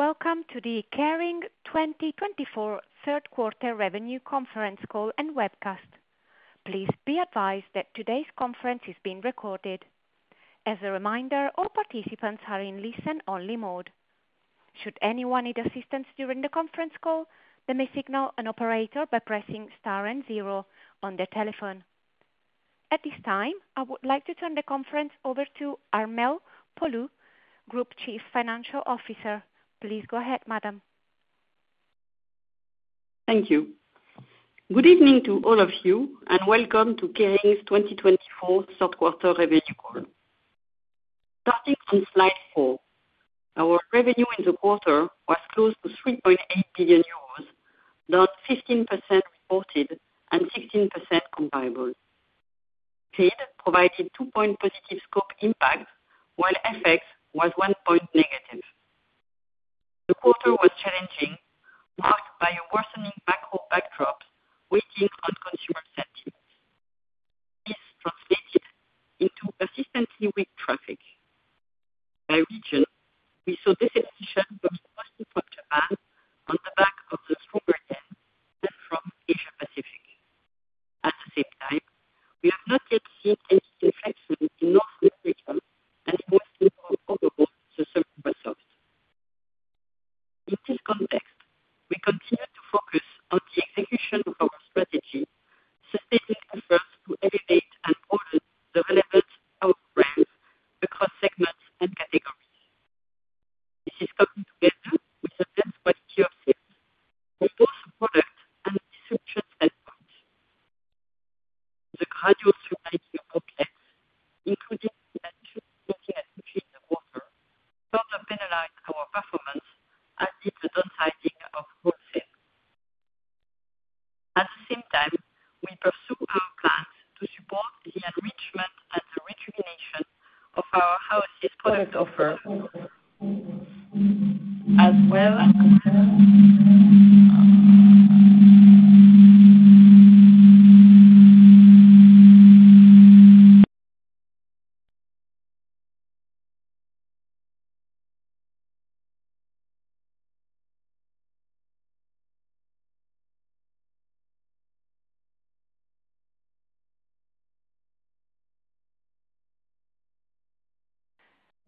Welcome to the Kering 2024 Third Quarter Revenue Conference Call and Webcast. Please be advised that today's conference is being recorded. As a reminder, all participants are in listen-only mode. Should anyone need assistance during the conference call, they may signal an operator by pressing star and zero on their telephone. At this time, I would like to turn the conference over to Armelle Poulou, Group Chief Financial Officer. Please go ahead, madam. Thank you. Good evening to all of you, and welcome to Kering's 2024 Third Quarter Revenue Call. Starting on slide four, our revenue in the quarter was close to 3.8 billion euros, down 15% reported and 16% comparable. Creed provided 2-point positive scope impact, while FX was 1-point negative. The quarter was challenging, marked by a worsening macro backdrop, weighing on consumer sentiment. This translated into persistently weak traffic. By region, we saw this weakness first from Japan on the back of the stronger yen and from Asia Pacific. At the same time, we have not yet seen any inflection in North America and Western Europe, the summer months. In this context, we continue to focus on the execution of our strategy, sustaining efforts to elevate and deliver the relevant outcomes across segments and categories. This is coming together with the best practices field for both product and research and development. The gradual scarcity of collections, including the additional collections, further penalized our performance, as did the downsizing of wholesale. At the same time, we pursue our plans to support the enrichment and the rejuvenation of our house product offer. As well as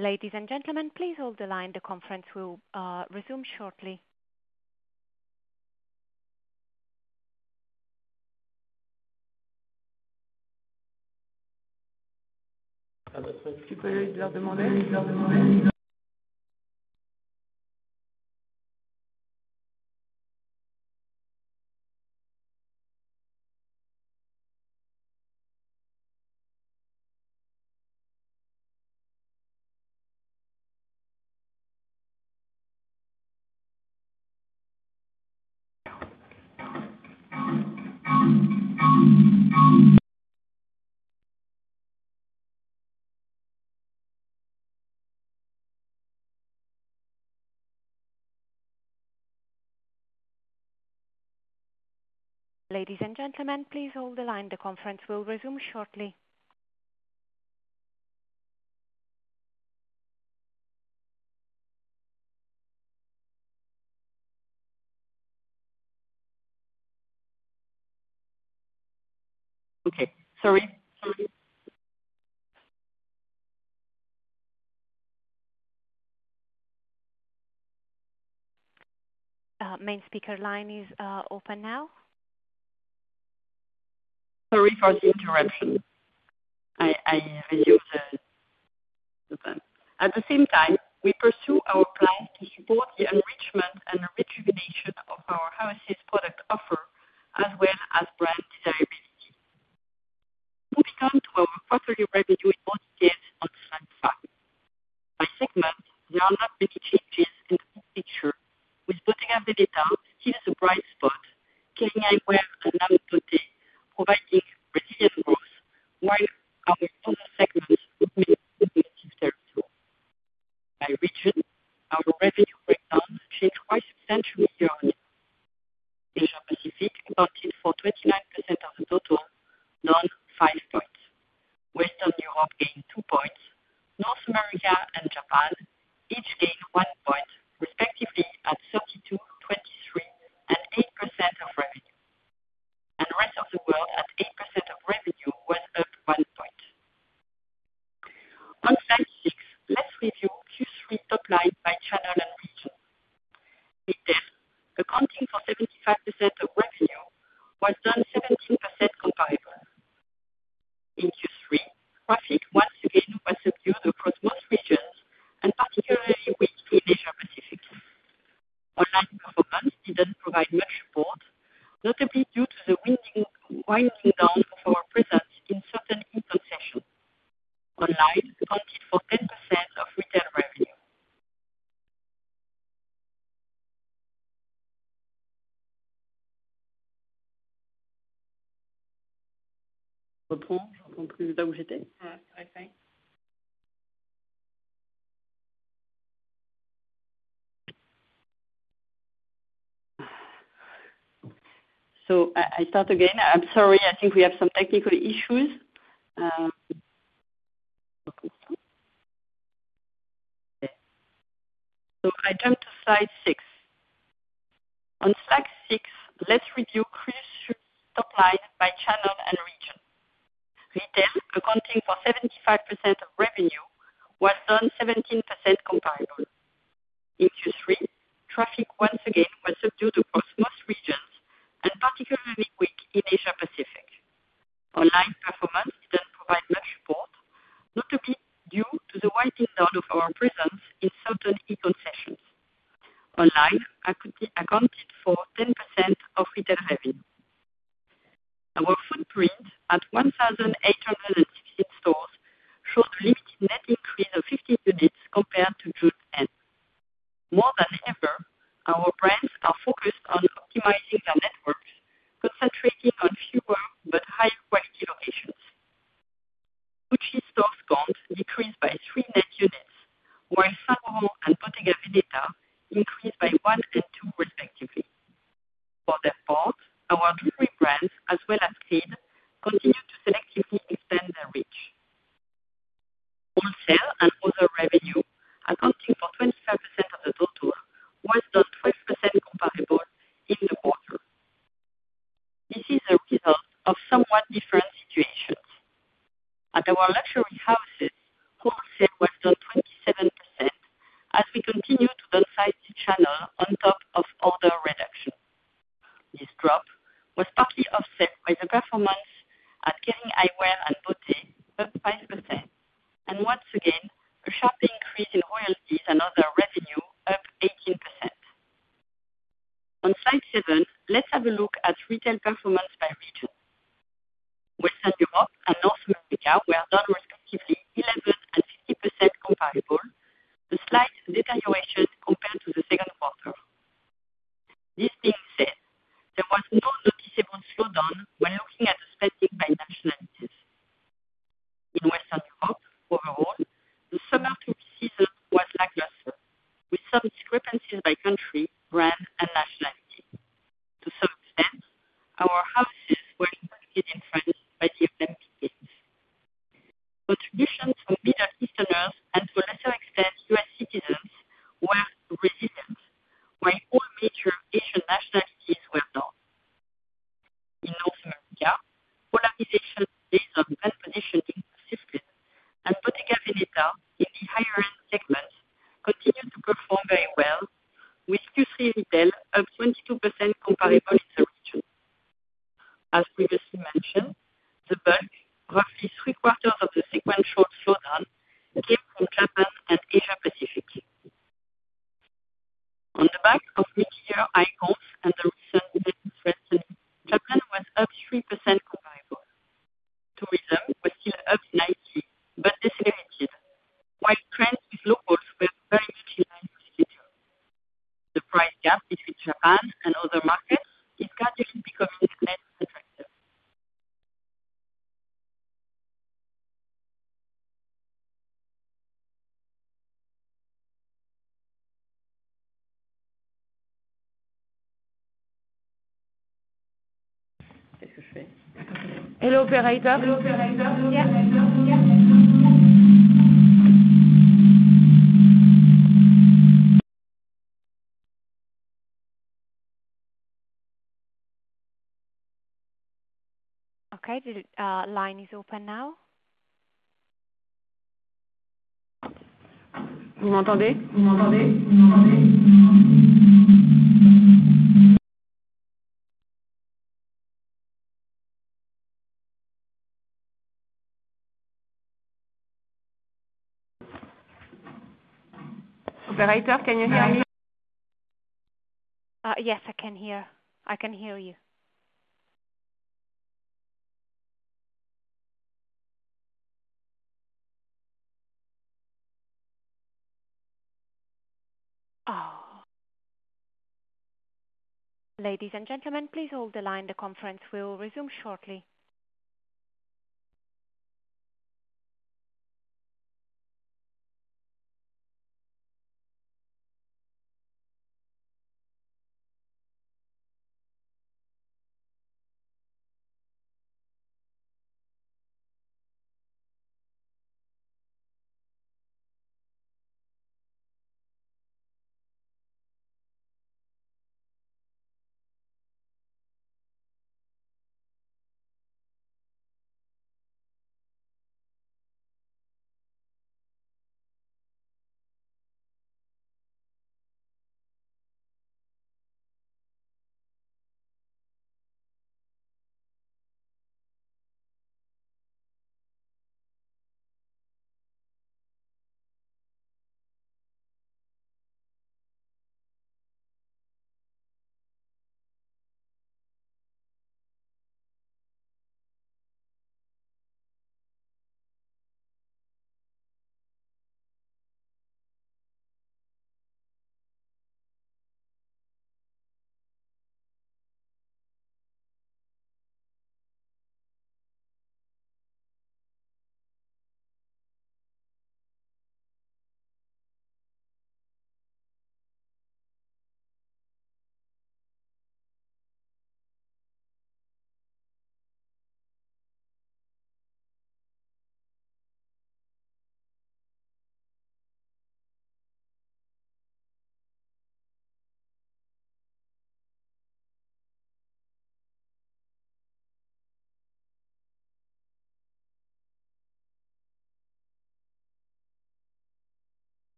Ladies and gentlemen, please hold the line. The conference will resume shortly. Ladies and gentlemen, please hold the line. The conference will resume shortly. Okay, sorry. Main speaker line is open now. Sorry for the interruption. At the same time, we pursue our plan to support the enrichment and rejuvenation of our houses product offer, as well as brand desirability. Moving on to our quarterly revenue, both years on slide five. By segment, there are not many changes in the picture, with Bottega Veneta still as a bright spot, Kering Eyewear and providing resilient growth, while our other segments would be 32. By region, our revenue breakdown changed quite substantially year-on-year. Asia Pacific accounted for 29% of the total, down 5 points. Western Europe gained 2 points. North America and Japan each gained 1 point, respectively, at 32, 23, and 8% of revenue. Rest of the world at 8% of revenue was up 1 point. On slide six, let's review Q3 top line by channel and region. Retail, accounting for 75% of revenue, was down 17% comparable. In Q3, traffic once again was subdued across most regions, and particularly in Asia Pacific. Online performance didn't provide much support, notably due to the winding down of our presence in certain e-concessions. Online accounted for 10% of retail revenue. So I start again. I'm sorry, I think we have some technical issues. So I turn to slide six. On slide six, let's review Q3 top line by channel and region. Retail, accounting for 75% of revenue, was down 17% comparable. In Q3, traffic once again was subdued across most regions, and particularly weak in Asia Pacific. Online performance didn't provide much support, notably due to the winding down of our presence in certain e-concessions. Online accounted for 10% of retail revenue. Our footprint at 1,868 stores showed limited net increase of 50 units compared to June end. More than ever, our brands are focused on optimizing their networks, concentrating on fewer but high-quality locations. Gucci store count decreased by 3 net units, while Saint Laurent and Bottega Veneta increased by 1 and 2, respectively. For their part, our luxury brands, as well as Creed, continued to selectively extend their reach. Wholesale and other revenue, accounting for 25% of the total, was down 12% comparable in the quarter. This is a result of somewhat different situations. At our luxury houses, wholesale was down 27%, as we continue to downsize the channel on top of order reduction. This drop was partly offset by the performance at Kering Eyewear and Beauty, up 5%, and once again, a sharp increase in royalties and other revenue, up 18%. On slide seven, let's have a look at retail performance by region. Western Europe and North America were down respectively 11% and 50% comparable, a slight deterioration compared to the second quarter. This being said, there was no noticeable slowdown when looking at the spending by nationalities. In Western Europe, overall, the summer tourist season was lackluster, with some discrepancies by country, brand, and nationality. To some extent, our houses were impacted in France by the Olympics. Contributions from Middle Easterners and to a lesser extent, U.S. citizens, were resistant, while all major Asian nationalities were down. In North America, polarization based on brand positioning persisted, and Bottega Veneta, in the higher end segment, continued to perform very well, with Q3 retail up 22% comparable in the region. As previously mentioned, the bulk, roughly three quarters of the sequential slowdown, came from Japan and Asia Pacific. On the back of mid-year high growth and the recent business trends, Japan was up 3% comparable. Tourism was still up 19, but decelerated, while trends with locals were very [streamlined positive]. The price gap between Japan and other markets is gradually becoming less attractive. Hello, operator? Okay, the line is open now. Operator, can you hear me? Yes, I can hear. I can hear you. Oh, ladies and gentlemen, please hold the line. The conference will resume shortly.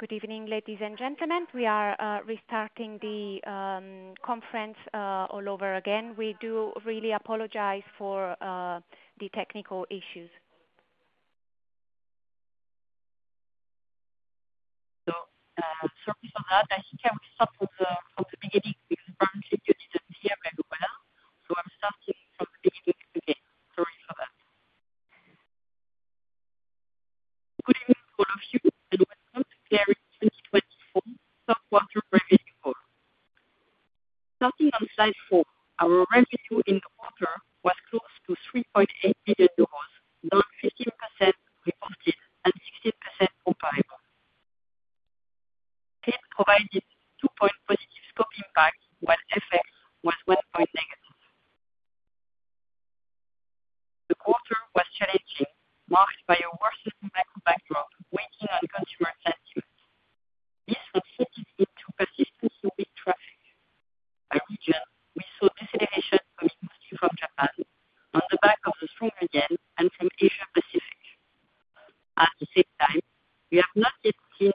Good evening, ladies and gentlemen. We are restarting the conference all over again. We do really apologize for the technical issues. So, sorry for that. I think I will start with from the beginning, because frankly, you didn't hear me well, so I'm starting from the beginning again. Sorry for that. Good evening, all of you, and welcome to Kering 2024 Third Quarter Revenue Call. Starting on slide four, our revenue in the quarter was close to 3.8 billion euros, down 15% reported and 16% comparable. It provided 2-point positive scope impact, while FX was 1-point negative. The quarter was challenging, marked by a worsening macro backdrop weighing on consumer sentiment. This translated into persistent weak traffic. By region, we saw deceleration from Japan on the back of the strong yen and from Asia Pacific. At the same time, we have not yet seen...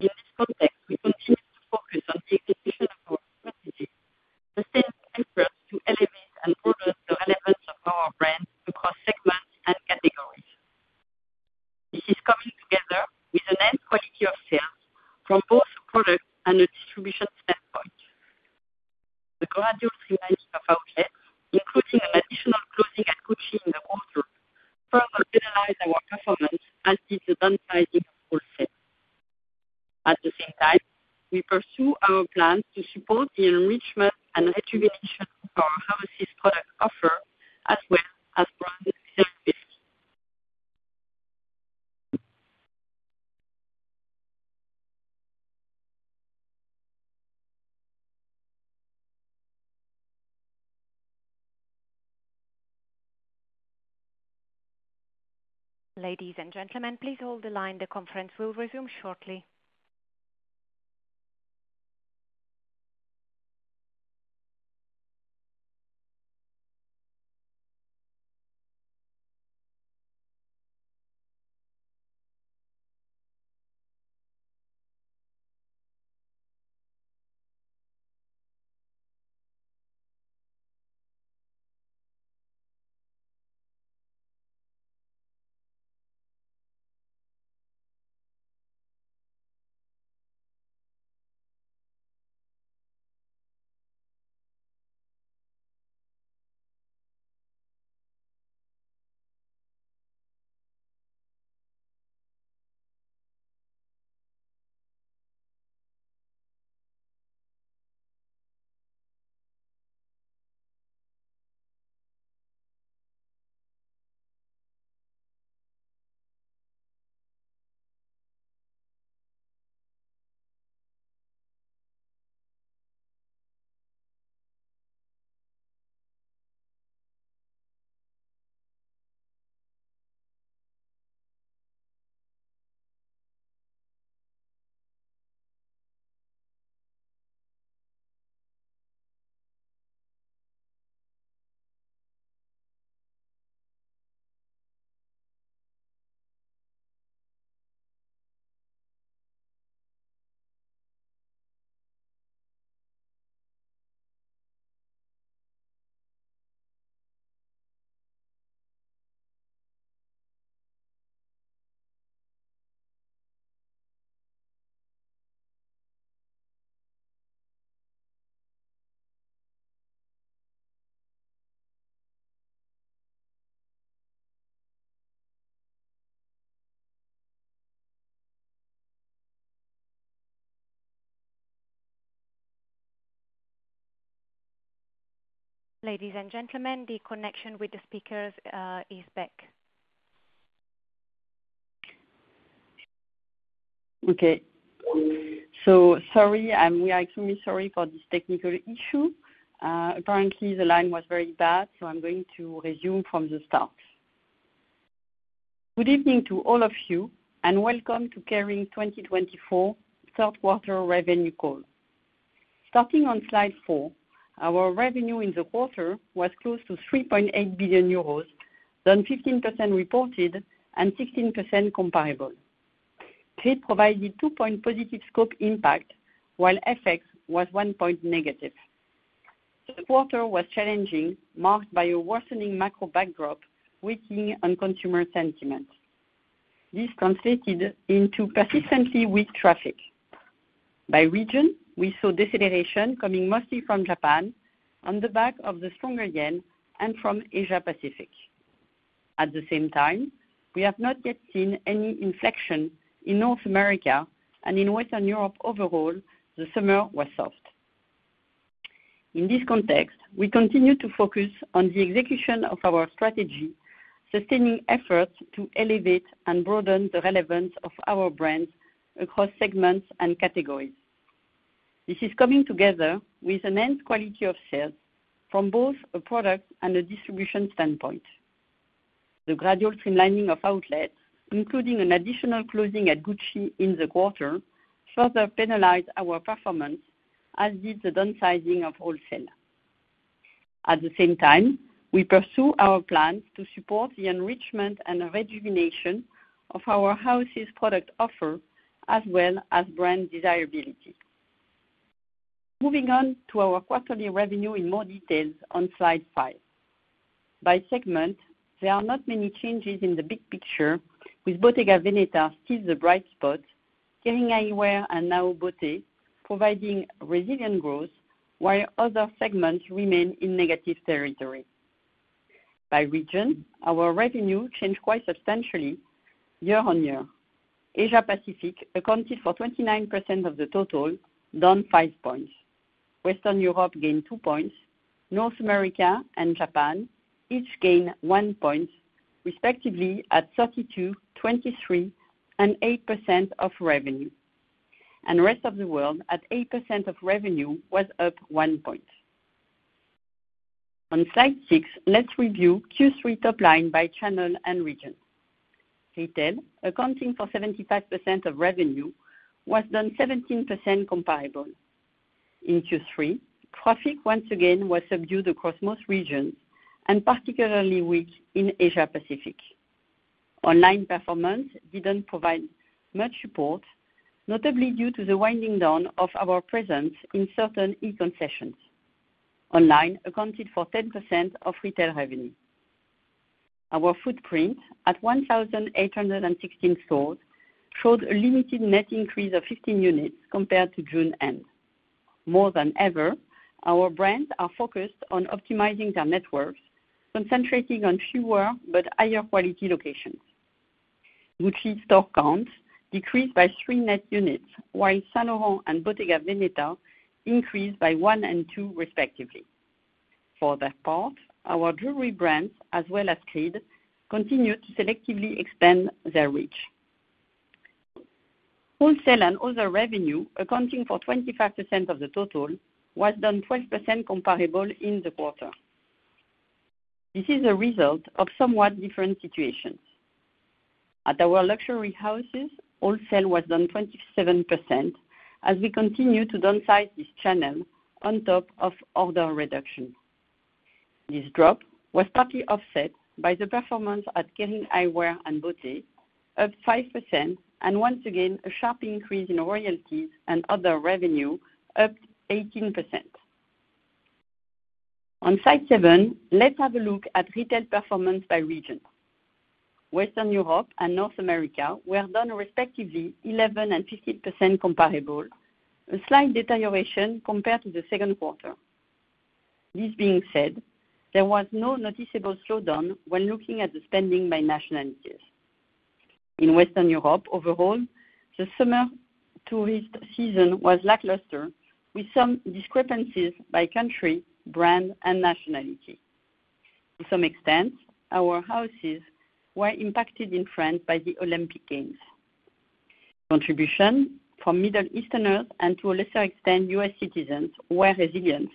In this context, we continue to focus on the execution of our strategy, the same effort to elevate and enhance the relevance of our brand across segments and categories. This is coming together with a net quality of sales from both product and distribution standpoint. The gradual reduction of our outlet, including an additional closing at Gucci in the quarter, further penalized our performance and the downsizing of wholesale. At the same time, we pursue our plan to support the enrichment and distribution of our houses' product offer as well as brand elevation. Ladies and gentlemen, please hold the line. The conference will resume shortly. Ladies and gentlemen, the connection with the speakers is back. Okay. So sorry, we are extremely sorry for this technical issue. Apparently the line was very bad, so I'm going to resume from the start. Good evening to all of you, and welcome to Kering 2024 Third Quarter Revenue Call. Starting on slide four, our revenue in the quarter was close to 3.8 billion euros, down 15% reported and 16% comparable. It provided two-point positive scope impact, while FX was one point negative. Third quarter was challenging, marked by a worsening macro backdrop, weighing on consumer sentiment. This translated into persistently weak traffic. By region, we saw deceleration coming mostly from Japan on the back of the stronger yen and from Asia Pacific. At the same time, we have not yet seen any inflection in North America, and in Western Europe overall, the summer was soft. In this context, we continue to focus on the execution of our strategy, sustaining efforts to elevate and broaden the relevance of our brands across segments and categories. This is coming together with enhanced quality of sales from both a product and a distribution standpoint. The gradual streamlining of outlets, including an additional closing at Gucci in the quarter, further penalized our performance, as did the downsizing of wholesale. At the same time, we pursue our plans to support the enrichment and rejuvenation of our house's product offer, as well as brand desirability. Moving on to our quarterly revenue in more details on slide five. By segment, there are not many changes in the big picture, with Bottega Veneta still the bright spot, Kering Eyewear and now Beauty providing resilient growth, while other segments remain in negative territory. By region, our revenue changed quite substantially year-on-year. Asia Pacific accounted for 29% of the total, down five points. Western Europe gained two points. North America and Japan each gained one point, respectively, at 32%, 23%, and 8% of revenue. And Rest of the World, at 8% of revenue, was up one point. On slide six, let's review Q3 top line by channel and region. Retail, accounting for 75% of revenue, was down 17% comparable. In Q3, traffic once again was subdued across most regions, and particularly weak in Asia Pacific. Online performance didn't provide much support, notably due to the winding down of our presence in certain e-concessions. Online accounted for 10% of retail revenue. Our footprint, at one thousand eight hundred and sixteen stores, showed a limited net increase of 15 units compared to June end. More than ever, our brands are focused on optimizing their networks, concentrating on fewer but higher quality locations. Gucci store counts decreased by three net units, while Saint Laurent and Bottega Veneta increased by one and two, respectively. For their part, our jewelry brands, as well as Creed, continue to selectively expand their reach. Wholesale and other revenue, accounting for 25% of the total, was down 12% comparable in the quarter. This is a result of somewhat different situations. At our luxury houses, wholesale was down 27%, as we continue to downsize this channel on top of order reduction. This drop was partly offset by the performance at Kering Eyewear and Beauty, up 5%, and once again, a sharp increase in royalties and other revenue, up 18%. On slide seven, let's have a look at retail performance by region. Western Europe and North America were down, respectively, 11% and 15% comparable, a slight deterioration compared to the second quarter. This being said, there was no noticeable slowdown when looking at the spending by nationalities. In Western Europe overall, the summer tourist season was lackluster, with some discrepancies by country, brand, and nationality. To some extent, our houses were impacted in France by the Olympic Games. Contributions from Middle Easterners and, to a lesser extent, U.S. citizens were resilient,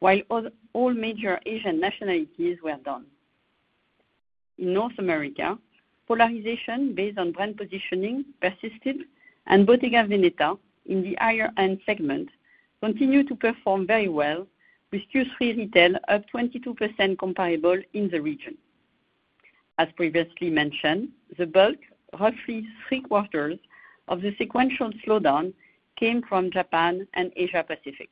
while all major Asian nationalities were down. In North America, polarization based on brand positioning persisted, and Bottega Veneta, in the higher-end segment, continued to perform very well, with Q3 retail up 22% comparable in the region. As previously mentioned, the bulk, roughly three-quarters, of the sequential slowdown came from Japan and Asia Pacific.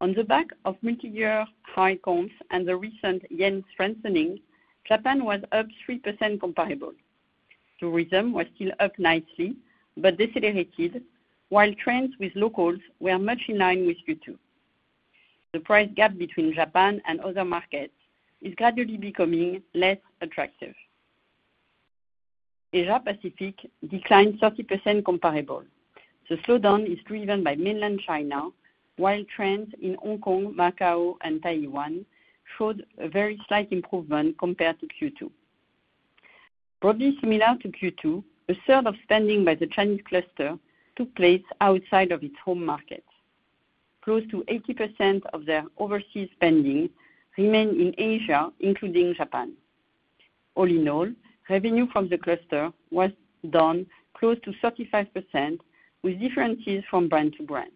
On the back of multi-year high comps and the recent yen strengthening, Japan was up 3% comparable. Tourism was still up nicely, but decelerated, while trends with locals were much in line with Q2. The price gap between Japan and other markets is gradually becoming less attractive. Asia Pacific declined 30% comparable. The slowdown is driven by Mainland China, while trends in Hong Kong, Macau, and Taiwan showed a very slight improvement compared to Q2. Roughly similar to Q2, a third of spending by the Chinese cluster took place outside of its home market. Close to 80% of their overseas spending remained in Asia, including Japan. All in all, revenue from the cluster was down close to 35%, with differences from brand to brand.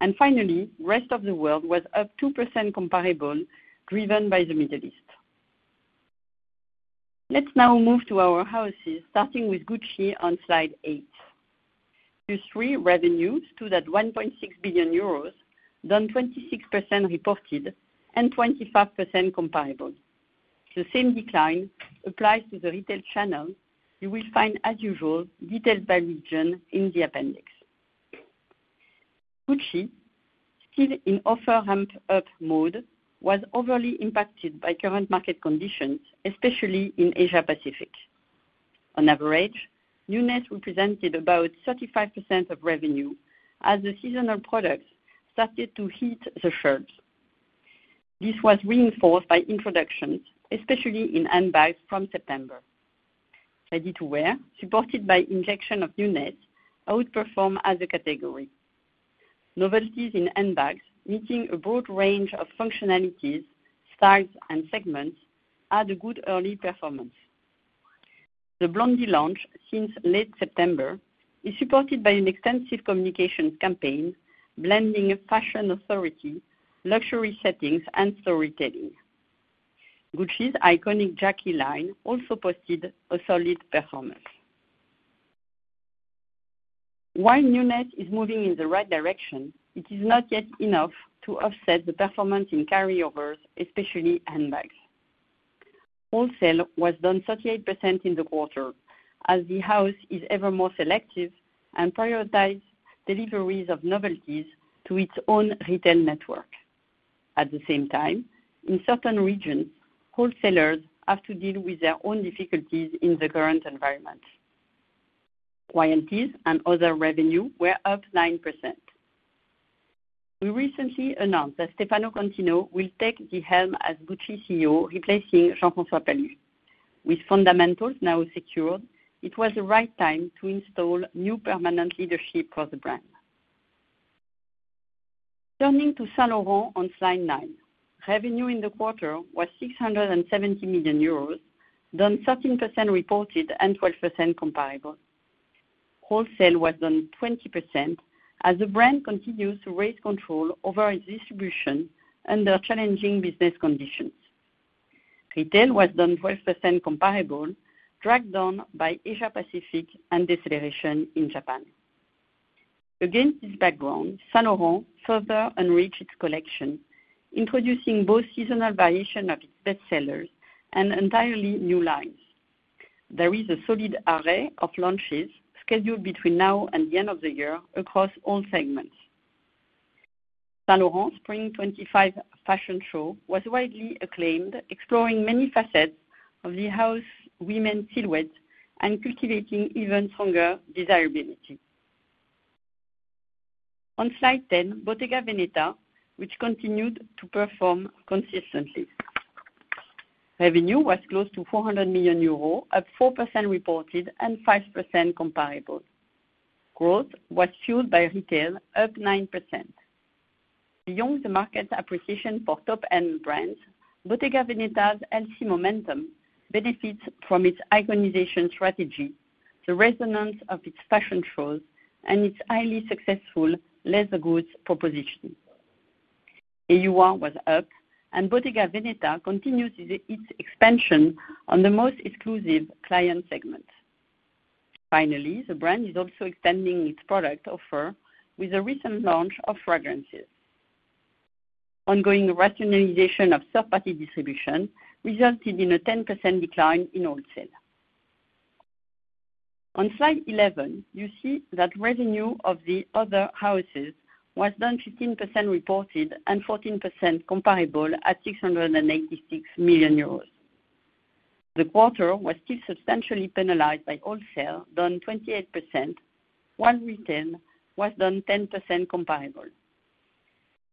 And finally, Rest of the World was up 2% comparable, driven by the Middle East. Let's now move to our houses, starting with Gucci on Slide 8. Q3 revenues stood at 1.6 billion euros, down 26% reported, and 25% comparable. The same decline applies to the retail channel. You will find, as usual, detailed by region in the appendix. Gucci, still in offer ramp-up mode, was overly impacted by current market conditions, especially in Asia Pacific. On average, newness represented about 35% of revenue, as the seasonal products started to hit the shelves. This was reinforced by introductions, especially in handbags from September. Ready-to-wear, supported by injection of newness, outperformed as a category. Novelties in handbags, meeting a broad range of functionalities, styles, and segments, had a good early performance. The Blondie launch, since late September, is supported by an extensive communication campaign, blending fashion authority, luxury settings, and storytelling. Gucci's iconic Jackie line also posted a solid performance. While newness is moving in the right direction, it is not yet enough to offset the performance in carryovers, especially handbags. Wholesale was down 38% in the quarter, as the house is ever more selective and prioritize deliveries of novelties to its own retail network. At the same time, in certain regions, wholesalers have to deal with their own difficulties in the current environment. Royalties and other revenue were up 9%. We recently announced that Stefano Cantino will take the helm as Gucci CEO, replacing Jean-François Palus. With fundamentals now secured, it was the right time to install new permanent leadership for the brand. Turning to Saint Laurent on slide 9. Revenue in the quarter was 670 million euros, down 13% reported, and 12% comparable. Wholesale was down 20%, as the brand continues to raise control over its distribution under challenging business conditions. Retail was down 12% comparable, dragged down by Asia Pacific and deceleration in Japan. Against this background, Saint Laurent further enriched its collection, introducing both seasonal variation of its bestsellers and entirely new lines. There is a solid array of launches scheduled between now and the end of the year across all segments. Saint Laurent Spring 2025 fashion show was widely acclaimed, exploring many facets of the house's women's silhouette and cultivating even stronger desirability. On slide ten, Bottega Veneta, which continued to perform consistently. Revenue was close to 400 million euros, up 4% reported, and 5% comparable. Growth was fueled by retail, up 9%. Beyond the market appreciation for top-end brands, Bottega Veneta's healthy momentum benefits from its iconization strategy, the resonance of its fashion shows, and its highly successful leather goods proposition. AUR was up, and Bottega Veneta continues its expansion on the most exclusive client segment. Finally, the brand is also extending its product offer with the recent launch of fragrances. Ongoing rationalization of third-party distribution resulted in a 10% decline in wholesale. On Slide 11, you see that revenue of the other houses was down 15% reported, and 14% comparable at 686 million euros. The quarter was still substantially penalized by wholesale, down 28%, while retail was down 10% comparable.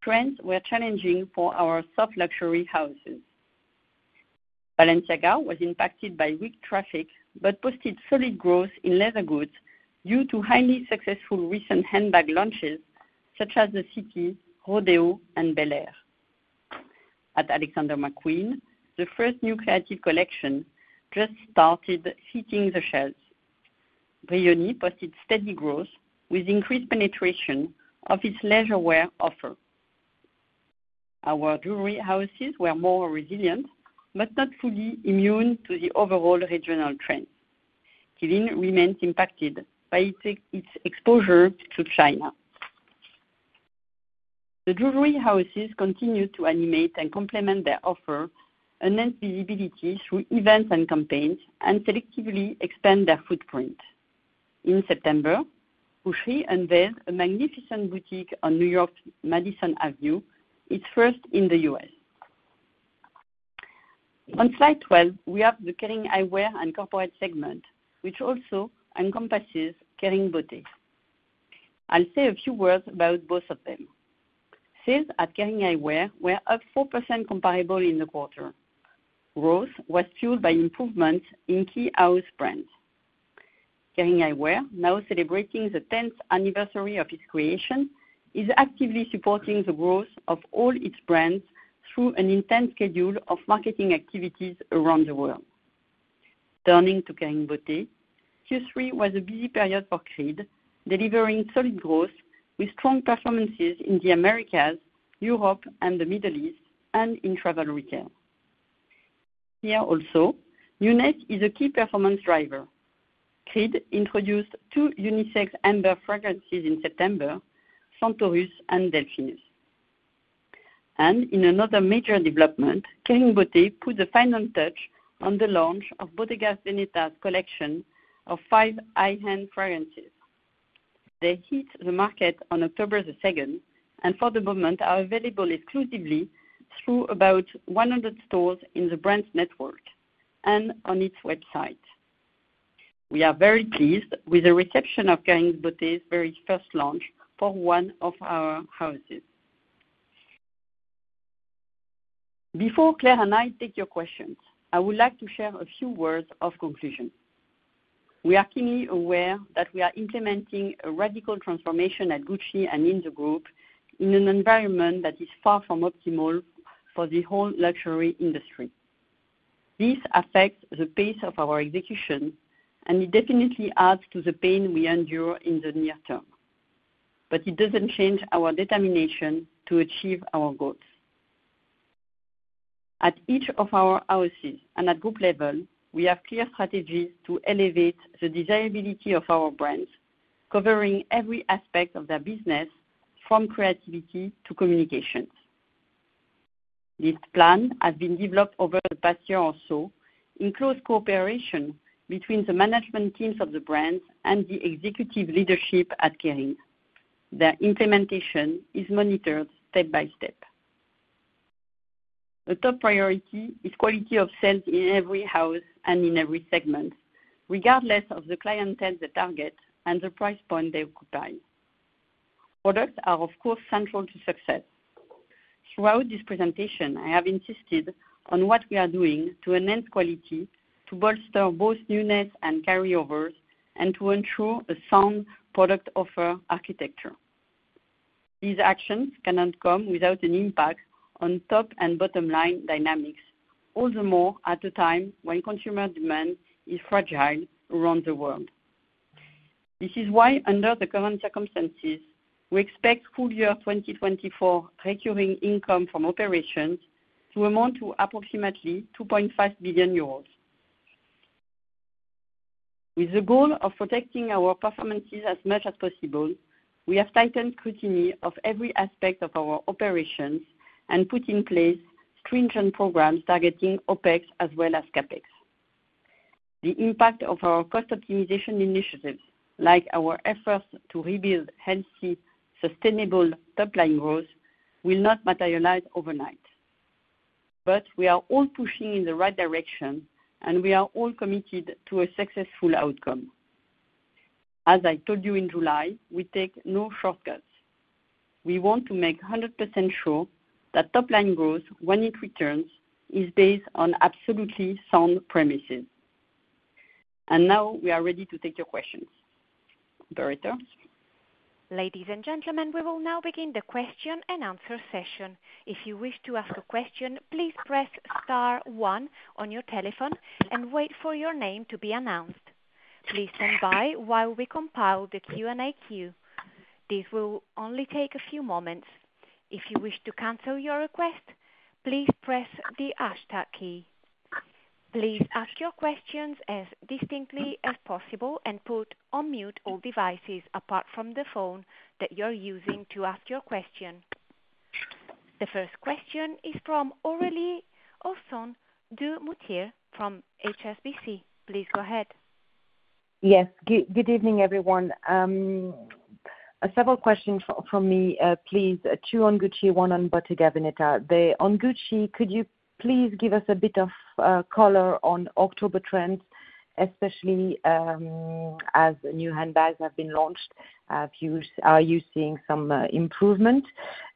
Trends were challenging for our soft luxury houses. Balenciaga was impacted by weak traffic, but posted solid growth in leather goods due to highly successful recent handbag launches, such as the City, Rodeo, and Bel Air. At Alexander McQueen, the first new creative collection just started hitting the shelves. Brioni posted steady growth with increased penetration of its leisure wear offer. Our jewelry houses were more resilient, but not fully immune to the overall regional trend. Qeelin remained impacted by its exposure to China. The jewelry houses continued to animate and complement their offer, enhance visibility through events and campaigns, and selectively expand their footprint. In September, Boucheron unveiled a magnificent boutique on New York's Madison Avenue, its first in the U.S. On slide 12, we have the Kering Eyewear and Corporate segment, which also encompasses Kering Beauté. I'll say a few words about both of them. Sales at Kering Eyewear were up 4% comparable in the quarter. Growth was fueled by improvement in key house brands. Kering Eyewear, now celebrating the 10th anniversary of its creation, is actively supporting the growth of all its brands through an intense schedule of marketing activities around the world. Turning to Kering Beauté, Q3 was a busy period for Creed, delivering solid growth with strong performances in the Americas, Europe, and the Middle East, and in travel retail. Here also, unisex is a key performance driver. Creed introduced two unisex amber fragrances in September, Centaurus and Delphinus. In another major development, Kering Beauté put the final touch on the launch of Bottega Veneta's collection of five high-end fragrances. They hit the market on October the second, and for the moment, are available exclusively through about one hundred stores in the brand's network and on its website. We are very pleased with the reception of Kering Beauté's very first launch for one of our houses. Before Claire and I take your questions, I would like to share a few words of conclusion. We are keenly aware that we are implementing a radical transformation at Gucci and in the group, in an environment that is far from optimal for the whole luxury industry. This affects the pace of our execution, and it definitely adds to the pain we endure in the near term. But it doesn't change our determination to achieve our goals. At each of our houses and at group level, we have clear strategies to elevate the desirability of our brands, covering every aspect of their business, from creativity to communications. This plan has been developed over the past year or so in close cooperation between the management teams of the brands and the executive leadership at Kering. Their implementation is monitored step by step. The top priority is quality of sales in every house and in every segment, regardless of the clientele they target and the price point they occupy. Products are, of course, central to success. Throughout this presentation, I have insisted on what we are doing to enhance quality, to bolster both newness and carryovers, and to ensure a sound product offer architecture. These actions cannot come without an impact on top and bottom line dynamics, all the more at a time when consumer demand is fragile around the world. This is why, under the current circumstances, we expect full-year 2024 recurring income from operations to amount to approximately 2.5 billion euros. With the goal of protecting our performances as much as possible, we have tightened scrutiny of every aspect of our operations and put in place stringent programs targeting OpEx as well as CapEx. The impact of our cost optimization initiatives, like our efforts to rebuild healthy, sustainable top-line growth, will not materialize overnight. But we are all pushing in the right direction, and we are all committed to a successful outcome. As I told you in July, we take no shortcuts. We want to make 100% sure that top-line growth, when it returns, is based on absolutely sound premises. And now we are ready to take your questions. Operator? Ladies and gentlemen, we will now begin the question-and-answer session. If you wish to ask a question, please press star one on your telephone and wait for your name to be announced. Please stand by while we compile the Q&A queue. This will only take a few moments. If you wish to cancel your request, please press the hashtag key. Please ask your questions as distinctly as possible and put on mute all devices apart from the phone that you're using to ask your question. The first question is from Aurélie Husson-Dumoutier from HSBC. Please go ahead. Yes, good evening, everyone. Several questions from me, please, two on Gucci, one on Bottega Veneta. On Gucci, could you please give us a bit of color on October trends, especially as new handbags have been launched, are you seeing some improvement?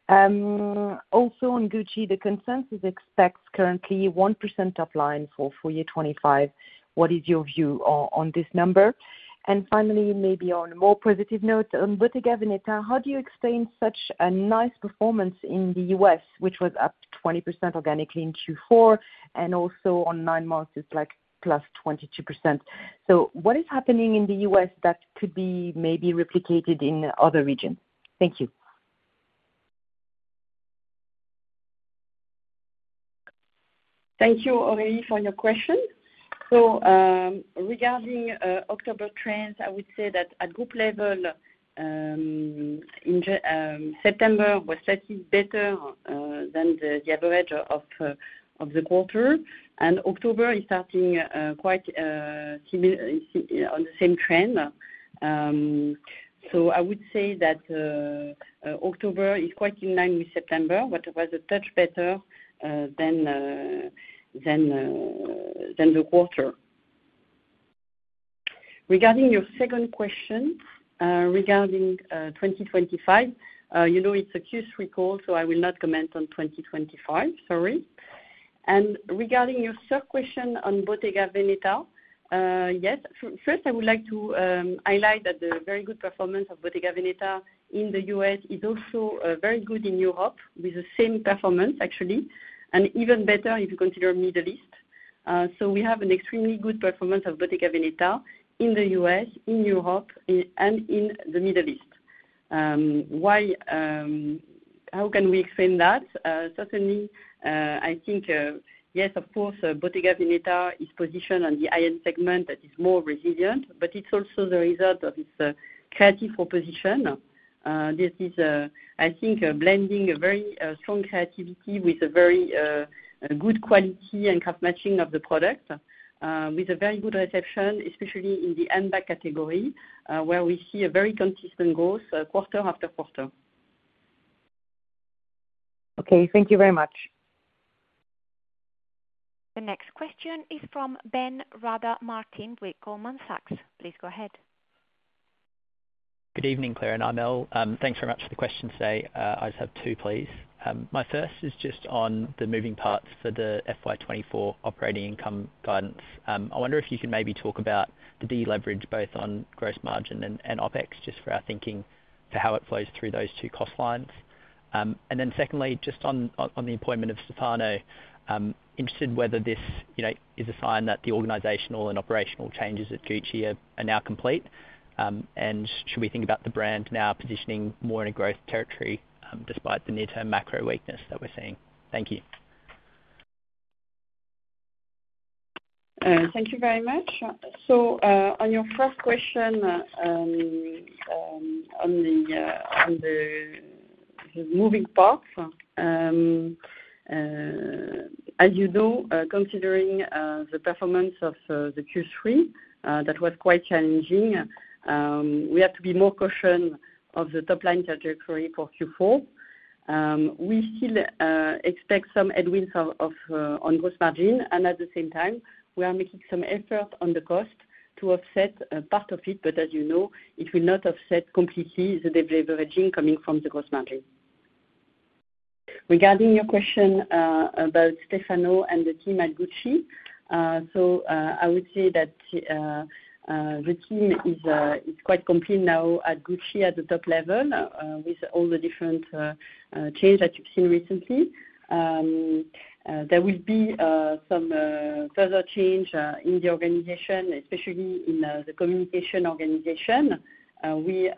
Also on Gucci, the consensus expects currently 1% top line for full year 2025. What is your view on this number? And finally, maybe on a more positive note, on Bottega Veneta, how do you explain such a nice performance in the U.S., which was up 20% organically in Q4, and also on nine months, it's like plus 22%. So what is happening in the U.S. that could be maybe replicated in other regions? Thank you. Thank you, Aurélie, for your question. Regarding October trends, I would say that at group level, in September was slightly better than the average of the quarter, and October is starting quite on the same trend. I would say that October is quite in line with September, but it was a touch better than the quarter. Regarding your second question, regarding 2025, you know, it's a Q3 call, so I will not comment on 2025. Sorry. Regarding your third question on Bottega Veneta, yes, first, I would like to highlight that the very good performance of Bottega Veneta in the U.S. is also very good in Europe, with the same performance, actually, and even better if you consider Middle East. So we have an extremely good performance of Bottega Veneta in the U.S., in Europe, and in the Middle East. Why, how can we explain that? Certainly, I think, yes, of course, Bottega Veneta is positioned on the high-end segment that is more resilient, but it's also the result of its creative proposition. This is, I think, blending a very strong creativity with a very good quality and craft matching of the product, with a very good reception, especially in the handbag category, where we see a very consistent growth, quarter after quarter. Okay, thank you very much. The next question is from Ben Rader-Martin with Goldman Sachs. Please go ahead. Good evening, Claire and Armelle. Thanks very much for the question today. I just have two, please. My first is just on the moving parts for the FY 2024 operating income guidance. I wonder if you could maybe talk about the deleverage both on gross margin and OpEx, just for our thinking, for how it flows through those two cost lines. And then secondly, just on the appointment of Stefano, interested in whether this, you know, is a sign that the organizational and operational changes at Gucci are now complete? And should we think about the brand now positioning more in a growth territory, despite the near-term macro weakness that we're seeing? Thank you. Thank you very much. So, on your first question, on the moving parts, as you know, considering the performance of the Q3, that was quite challenging, we have to be more cautious of the top line trajectory for Q4. We still expect some headwinds on gross margin, and at the same time, we are making some effort on the cost to offset part of it. But as you know, it will not offset completely the deleveraging coming from the gross margin. Regarding your question about Stefano and the team at Gucci, so, I would say that the team is quite complete now at Gucci at the top level, with all the different changes that you've seen recently. There will be some further change in the organization, especially in the communication organization. We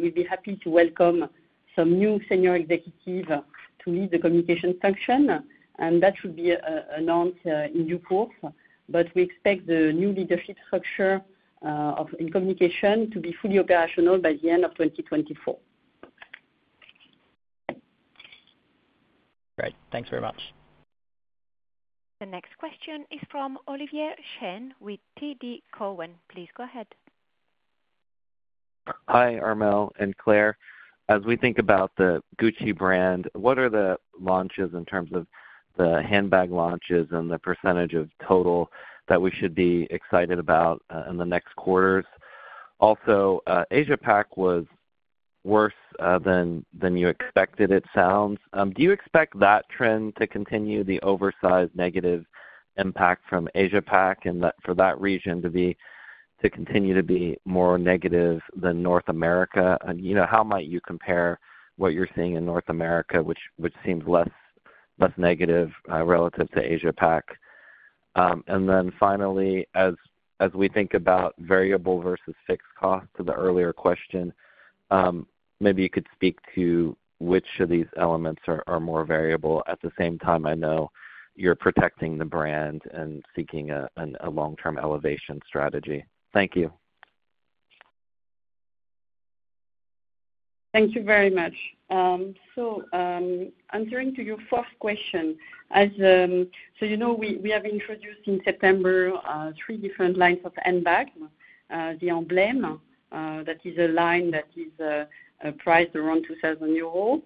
will be happy to welcome some new senior executive to lead the communication function, and that should be announced in due course. But we expect the new leadership structure in communication to be fully operational by the end of 2024. Great. Thanks very much. The next question is from Oliver Chen with TD Cowen. Please go ahead. Hi, Armelle and Claire. As we think about the Gucci brand, what are the launches in terms of the handbag launches and the percentage of total that we should be excited about in the next quarters? Also, Asia Pac was worse than you expected, it sounds. Do you expect that trend to continue, the oversized negative impact from Asia Pac, and that for that region to continue to be more negative than North America? And, you know, how might you compare what you're seeing in North America, which seems less negative relative to Asia Pac? And then finally, as we think about variable versus fixed costs to the earlier question, maybe you could speak to which of these elements are more variable. At the same time, I know you're protecting the brand and seeking a long-term elevation strategy. Thank you. Thank you very much. So, answering to your first question, as, so you know, we have introduced in September three different lines of handbag. The Emblem, that is a line that is priced around 2,000 euros.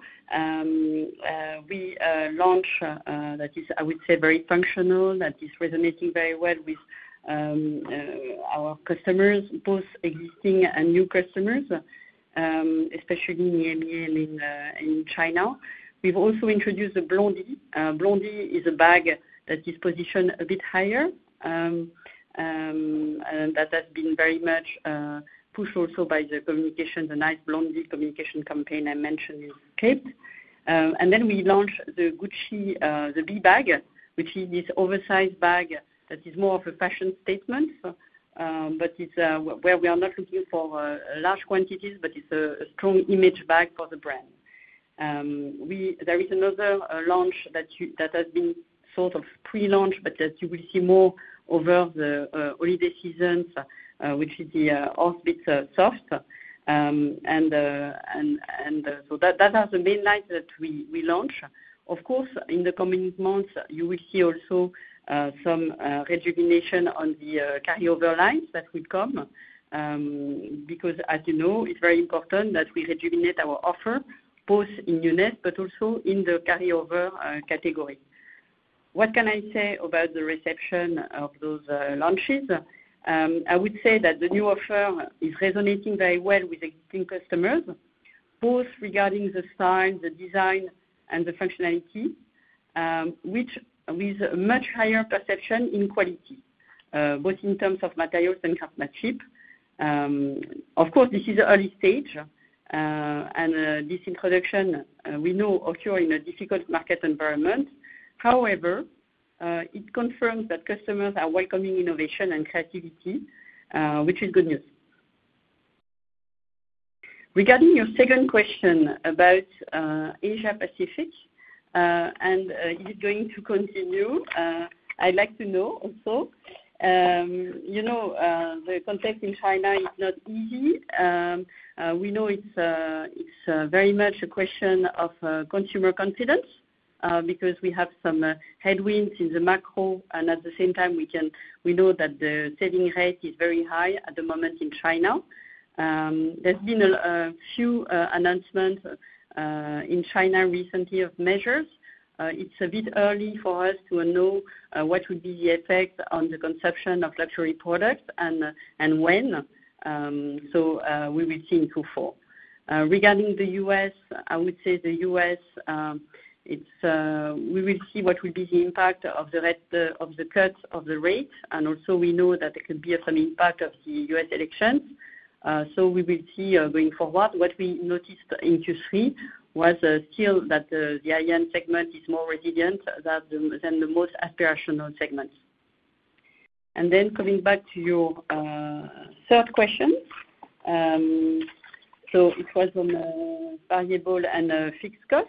We launch, that is, I would say, very functional, that is resonating very well with our customers, both existing and new customers, especially in EMEA and in China. We've also introduced the Blondie. Blondie is a bag that is positioned a bit higher, and that has been very much pushed also by the communication, the nice Blondie communication campaign I mentioned in Cape. Then we launched the Gucci B Bag, which is this oversized bag that is more of a fashion statement, but it's where we are not looking for large quantities, but it's a strong image bag for the brand. There is another launch that has been sort of pre-launched, but that you will see more over the holiday seasons, which is the Horsebit Soft. And so that are the main lines that we launch. Of course, in the coming months, you will see also some rejuvenation on the carryover lines that will come, because, as you know, it's very important that we rejuvenate our offer, both in newness, but also in the carryover category. What can I say about the reception of those launches? I would say that the new offer is resonating very well with existing customers, both regarding the style, the design, and the functionality, which leaves a much higher perception in quality, both in terms of materials and craftsmanship. Of course, this is early stage, and this introduction we know occur in a difficult market environment. However, it confirms that customers are welcoming innovation and creativity, which is good news. Regarding your second question about Asia Pacific and is going to continue, I'd like to know also. You know, the context in China is not easy. We know it's very much a question of consumer confidence because we have some headwinds in the macro, and at the same time, we know that the saving rate is very high at the moment in China. There's been a few announcements in China recently of measures. It's a bit early for us to know what would be the effect on the consumption of luxury products and when. So we will see in Q4. Regarding the U.S., I would say the U.S., it's we will see what will be the impact of the rate of the cuts of the rate, and also, we know that there could be some impact of the U.S. elections. So we will see going forward. What we noticed in Q3 was still that the high-end segment is more resilient than the most aspirational segments. Then coming back to your third question. So it was on variable and fixed cost.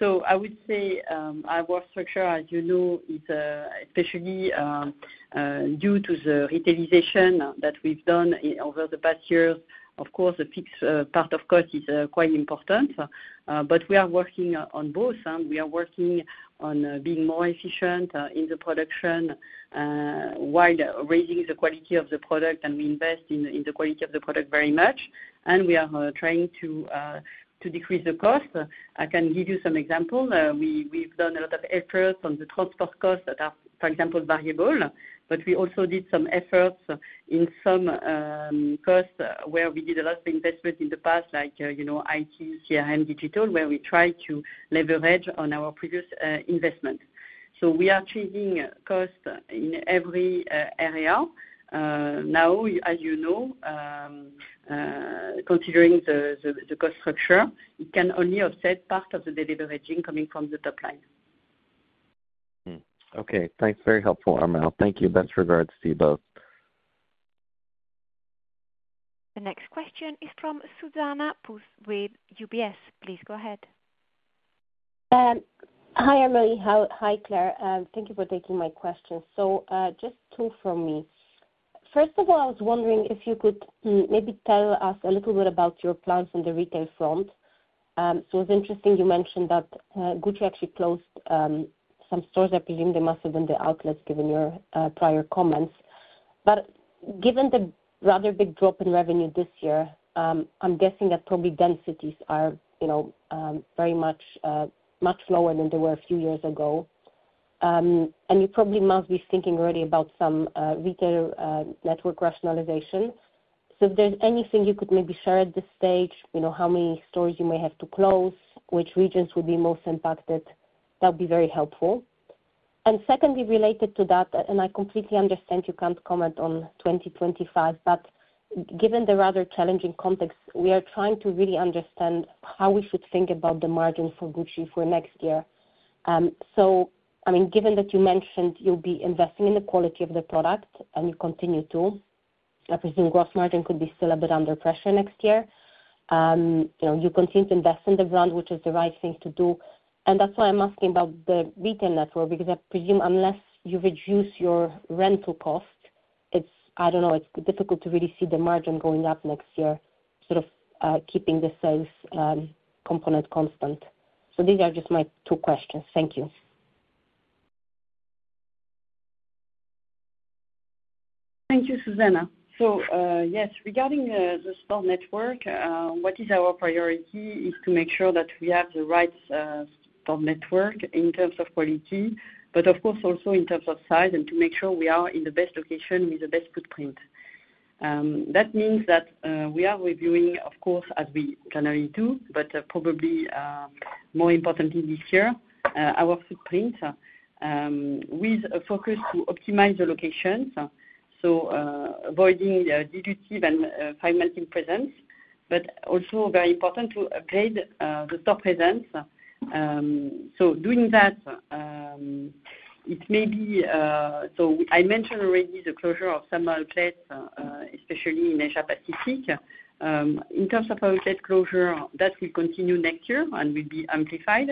So I would say our work structure, as you know, is especially due to the retailization that we've done over the past years. Of course, the fixed part of cost is quite important, but we are working on both, and we are working on being more efficient in the production while raising the quality of the product, and we invest in the quality of the product very much, and we are trying to decrease the cost. I can give you some example. We've done a lot of efforts on the transport costs that are, for example, variable, but we also did some efforts in some costs, where we did a lot of investment in the past, like, you know, IT, CRM, digital, where we try to leverage on our previous investment. So we are changing costs in every area. Now, as you know, considering the cost structure, it can only offset part of the deleveraging coming from the top line. Hmm. Okay, thanks. Very helpful, Armelle. Thank you. Best regards to you both. The next question is from Zuzanna Pusz with UBS. Please go ahead. Hi, Armelle. Hi, Claire. Thank you for taking my question. So, just two from me. First of all, I was wondering if you could maybe tell us a little bit about your plans on the retail front. So it's interesting you mentioned that Gucci actually closed some stores. I presume they must have been the outlets, given your prior comments. But given the rather big drop in revenue this year, I'm guessing that probably densities are, you know, very much much lower than they were a few years ago. And you probably must be thinking already about some retail network rationalization. So if there's anything you could maybe share at this stage, you know, how many stores you may have to close, which regions would be most impacted, that'd be very helpful. And secondly, related to that, and I completely understand you can't comment on 2025, but given the rather challenging context, we are trying to really understand how we should think about the margin for Gucci for next year. So, I mean, given that you mentioned you'll be investing in the quality of the product and you continue to, I presume gross margin could be still a bit under pressure next year. You know, you continue to invest in the brand, which is the right thing to do, and that's why I'm asking about the retail network, because I presume unless you reduce your rental cost, it's, I don't know, it's difficult to really see the margin going up next year, sort of, keeping the sales component constant. So these are just my two questions. Thank you. Thank you, Susanna. So, yes, regarding the store network, what is our priority is to make sure that we have the right store network in terms of quality, but of course, also in terms of size, and to make sure we are in the best location with the best footprint. That means that we are reviewing, of course, as we generally do, but probably more importantly this year, our footprint with a focus to optimize the locations, so avoiding duplicative and fragmented presence, but also very important to upgrade the store presence. So doing that, it may be, so I mentioned already the closure of some outlets, especially in Asia Pacific. In terms of outlet closure, that will continue next year and will be amplified.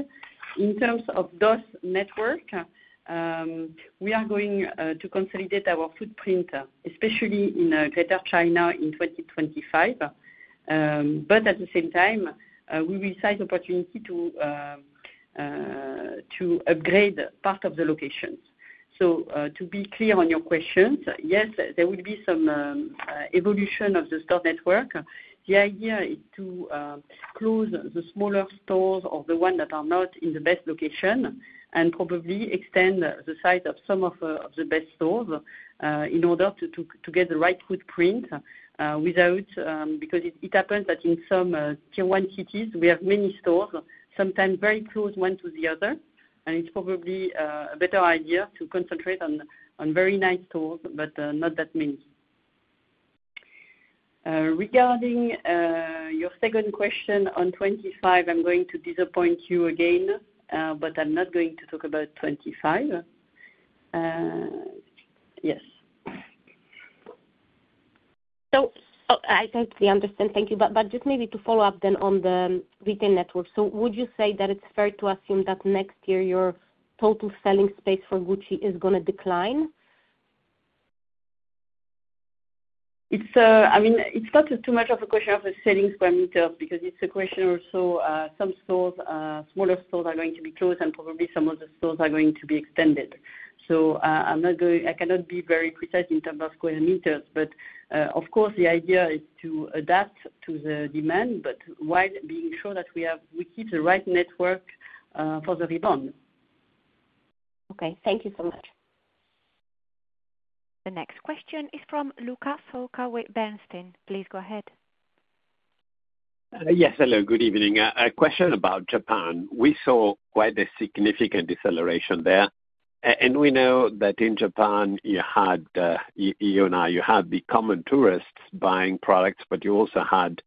In terms of those networks, we are going to consolidate our footprint, especially in Greater China in 2025. But at the same time, we will seize the opportunity to upgrade part of the locations. So, to be clear on your questions, yes, there will be some evolution of the store network. The idea is to close the smaller stores or the ones that are not in the best location, and probably extend the size of some of the best stores, in order to get the right footprint, without, because it happens that in some tier one cities, we have many stores, sometimes very close, one to the other, and it's probably a better idea to concentrate on very nice stores, but not that many. Regarding your second question on 2025, I'm going to disappoint you again, but I'm not going to talk about 2025. Yes. Oh, I totally understand. Thank you. But just maybe to follow up then on the retail network. Would you say that it's fair to assume that next year your total selling space for Gucci is gonna decline? It's, I mean, it's not too much of a question of a selling square meter because it's a question or so, some stores, smaller stores are going to be closed, and probably some of the stores are going to be extended. So, I'm not going. I cannot be very precise in terms of square meters, but, of course, the idea is to adapt to the demand, but while being sure that we have, we keep the right network, for the rebound. Okay, thank you so much. The next question is from Luca Solca with Bernstein. Please go ahead. Yes, hello, good evening. A question about Japan. We saw quite a significant deceleration there, and we know that in Japan you had you know, you had the common tourists buying products, but you also had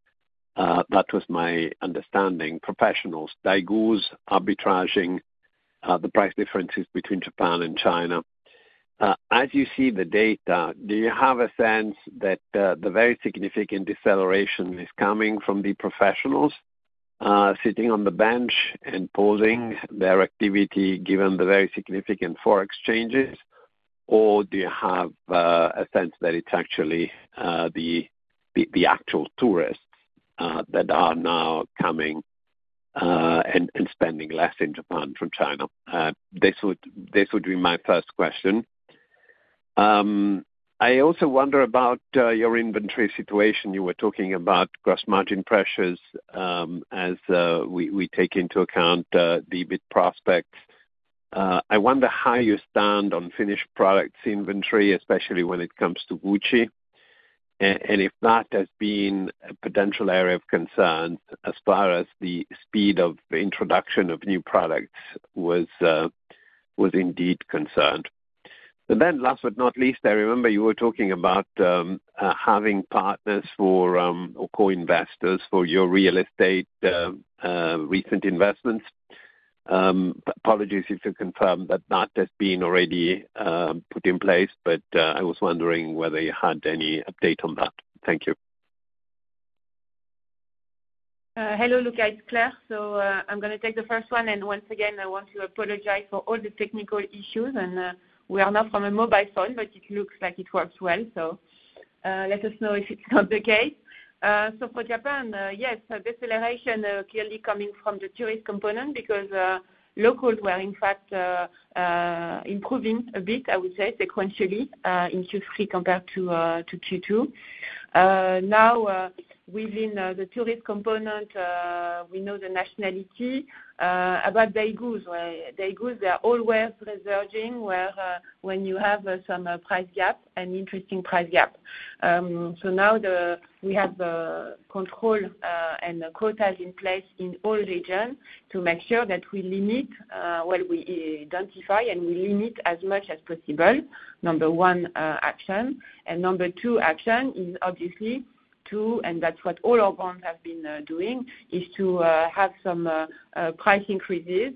that was my understanding, professionals, daigous arbitraging the price differences between Japan and China. As you see the data, do you have a sense that the very significant deceleration is coming from the professionals sitting on the bench and pausing their activity, given the very significant foreign exchanges? Or do you have a sense that it's actually the actual tourists that are now coming and spending less in Japan from China? This would be my first question. I also wonder about your inventory situation. You were talking about gross margin pressures, as we take into account the FX prospects. I wonder how you stand on finished products inventory, especially when it comes to Gucci, and if that has been a potential area of concern as far as the speed of the introduction of new products was indeed concerned. And then last but not least, I remember you were talking about having partners for or co-investors for your real estate, recent investments. Apologies if you confirmed that that has been already put in place, but I was wondering whether you had any update on that. Thank you. Hello, Luca, it's Claire. So, I'm gonna take the first one, and once again, I want to apologize for all the technical issues, and, we are now from a mobile phone, but it looks like it works well, so, let us know if it's not the case. So for Japan, yes, so deceleration, clearly coming from the tourist component, because, locals were, in fact, improving a bit, I would say, sequentially, in Q3 compared to Q2. Now, within the tourist component, we know the nationality about daigou, where daigou, they are always resurging, where, when you have some price gap, an interesting price gap. So now we have control and quotas in place in all regions to make sure that we limit, well, we identify and we limit as much as possible, number one action. And number two action is obviously to, and that's what all our brands have been doing, is to have some price increases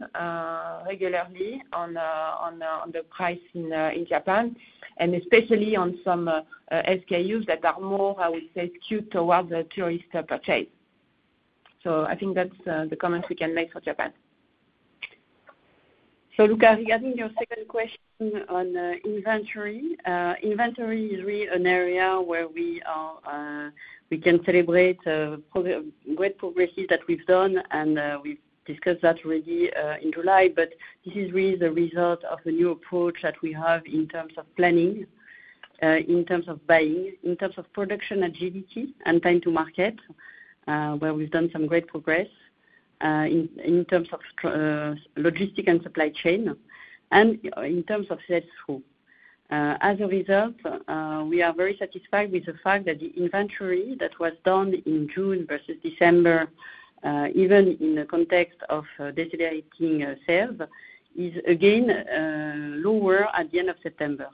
regularly on the prices in Japan, and especially on some SKUs that are more, I would say, skewed towards the tourist purchase. I think that's the comments we can make for Japan. Luca, regarding your second question on inventory, inventory is really an area where we are, we can celebrate great progresses that we've done, and we've discussed that already in July. But this is really the result of the new approach that we have in terms of planning, in terms of buying, in terms of production agility and time to market, where we've done some great progress, in terms of logistics and supply chain, and in terms of sales flow. As a result, we are very satisfied with the fact that the inventory that was done in June versus December, even in the context of decelerating sales, is again lower at the end of September.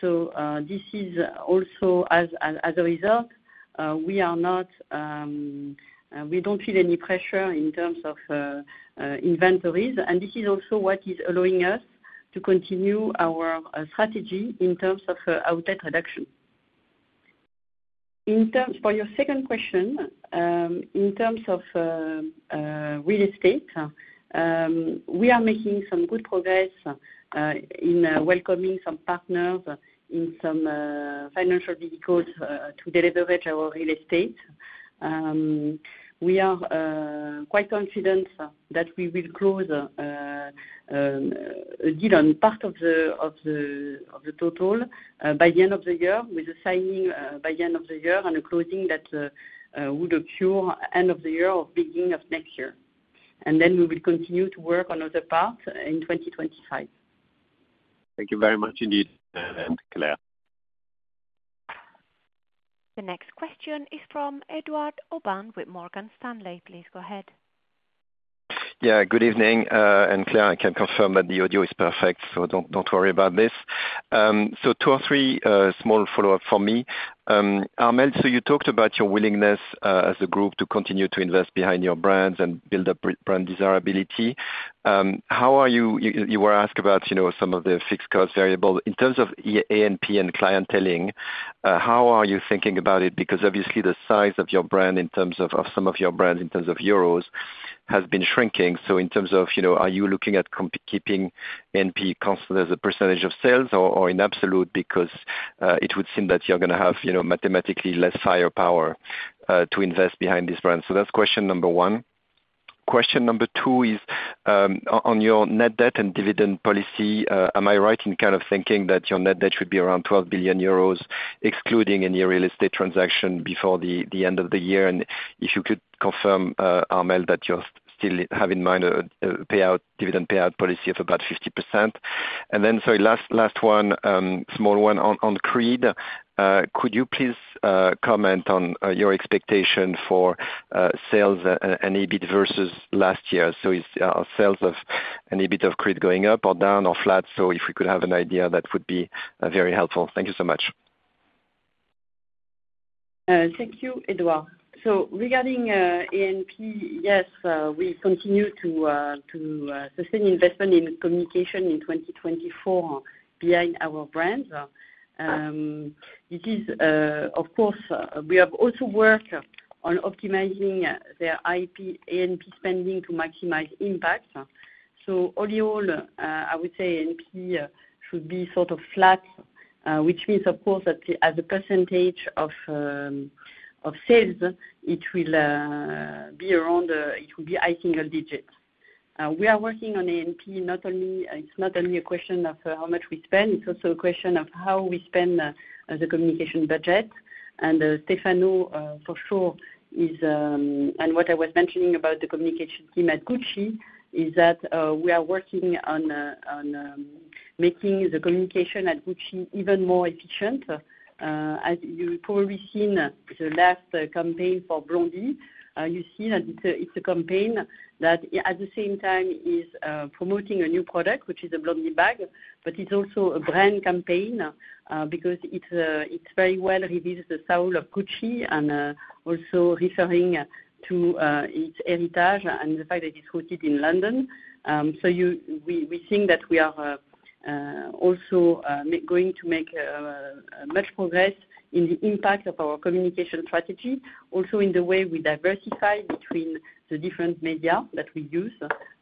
So, this is also as a result, we are not, we don't feel any pressure in terms of inventories, and this is also what is allowing us to continue our strategy in terms of outlet reduction. In terms, for your second question, in terms of real estate, we are making some good progress in welcoming some partners in some financial vehicles to deleverage our real estate. We are quite confident that we will close a deal on part of the total by the end of the year, with the signing by the end of the year and a closing that would occur end of the year or beginning of next year. And then we will continue to work on other parts in 2025. Thank you very much indeed, Claire. The next question is from Edouard Aubin with Morgan Stanley. Please go ahead. Yeah, good evening. And Claire, I can confirm that the audio is perfect, so don't, don't worry about this. So two or three small follow-up from me. Armelle, so you talked about your willingness as a group to continue to invest behind your brands and build up brand desirability. How are you, you were asked about, you know, some of the fixed cost variable. In terms of A&P and clienteling, how are you thinking about it? Because obviously, the size of your brand in terms of, of some of your brands, in terms of euros, has been shrinking. So in terms of, you know, are you looking at keeping A&P constant as a percentage of sales or, or in absolute? Because, it would seem that you're gonna have, you know, mathematically less higher power to invest behind this brand. So that's question number one. Question number two is, on your net debt and dividend policy, am I right in kind of thinking that your net debt should be around 12 billion euros, excluding any real estate transaction before the end of the year? And if you could confirm, Armelle, that you still have in mind a payout, dividend payout policy of about 50%. And then, last one, small one on Creed. Could you please comment on your expectation for sales and EBIT versus last year? So is sales of and EBIT of Creed going up or down or flat? So if we could have an idea, that would be very helpful. Thank you so much. Thank you, Edouard. So regarding A&P, yes, we continue to sustain investment in communication in twenty 2024 behind our brands. It is, of course, we have also worked on optimizing their A&P spending to maximize impact. So all in all, I would say A&P should be sort of flat, which means, of course, that as a percentage of sales, it will be around, it will be high single digits. We are working on A&P, not only, it's not only a question of how much we spend, it's also a question of how we spend the communication budget. Stefano, for sure, is, and what I was mentioning about the communication team at Gucci is that we are working on making the communication at Gucci even more efficient. As you've probably seen, the last campaign for Blondie. You see that it's a campaign that at the same time is promoting a new product, which is a Blondie bag. But it's also a brand campaign because it very well reveals the soul of Gucci and also referring to its heritage and the fact that it's rooted in London. We think that we are also going to make much progress in the impact of our communication strategy, also in the way we diversify between the different media that we use.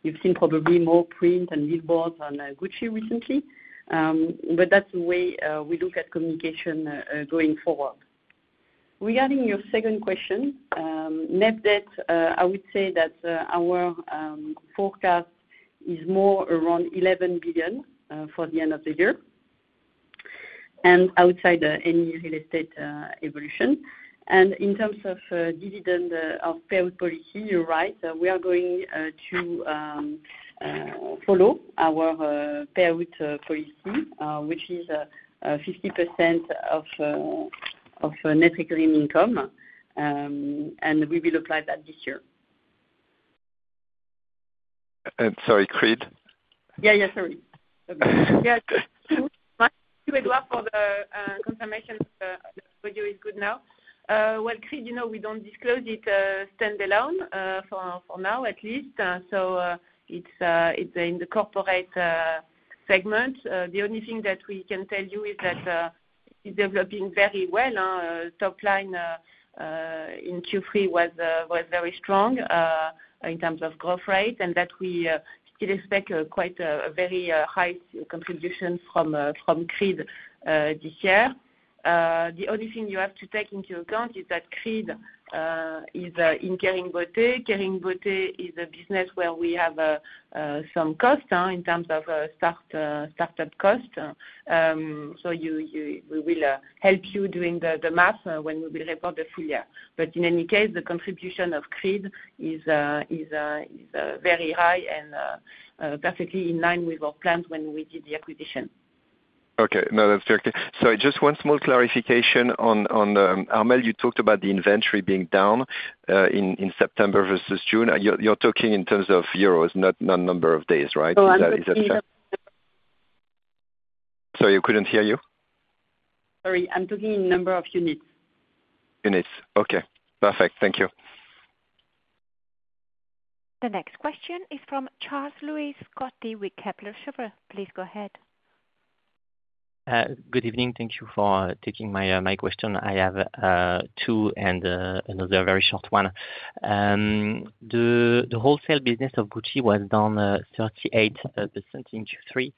You've seen probably more print and billboards on Gucci recently, but that's the way we look at communication going forward. Regarding your second question, net debt, I would say that our forecast is more around 11 billion for the end of the year, and outside any real estate evolution. And in terms of dividend, our payout policy, you're right. We are going to follow our payout policy, which is 50% of net income. And we will apply that this year. Sorry, Creed? Yeah, yeah, sorry. Yeah, thank you, Edouard, for the confirmation. The audio is good now. Well, Creed, you know, we don't disclose it standalone for now at least. So, it's in the corporate segment. The only thing that we can tell you is that it's developing very well. Top line in Q3 was very strong in terms of growth rate, and that we still expect quite a very high contribution from Creed this year. The only thing you have to take into account is that Creed is in Kering Beauté. Kering Beauté is a business where we have some costs in terms of startup costs. So you... We will help you doing the math when we will report the full year. But in any case, the contribution of Creed is very high and perfectly in line with our plans when we did the acquisition. Okay, no, that's clear. Sorry, just one small clarification on Armelle, you talked about the inventory being down in September versus June. You're talking in terms of euros, not number of days, right? Oh, I'm talking- Is that fair? Sorry, I couldn't hear you. Sorry, I'm talking number of units. Units. Okay, perfect. Thank you. The next question is from Charles-Louis Scotti with Kepler Cheuvreux. Please go ahead. Good evening. Thank you for taking my question. I have two, and another very short one. The wholesale business of Gucci was down 38% in Q3.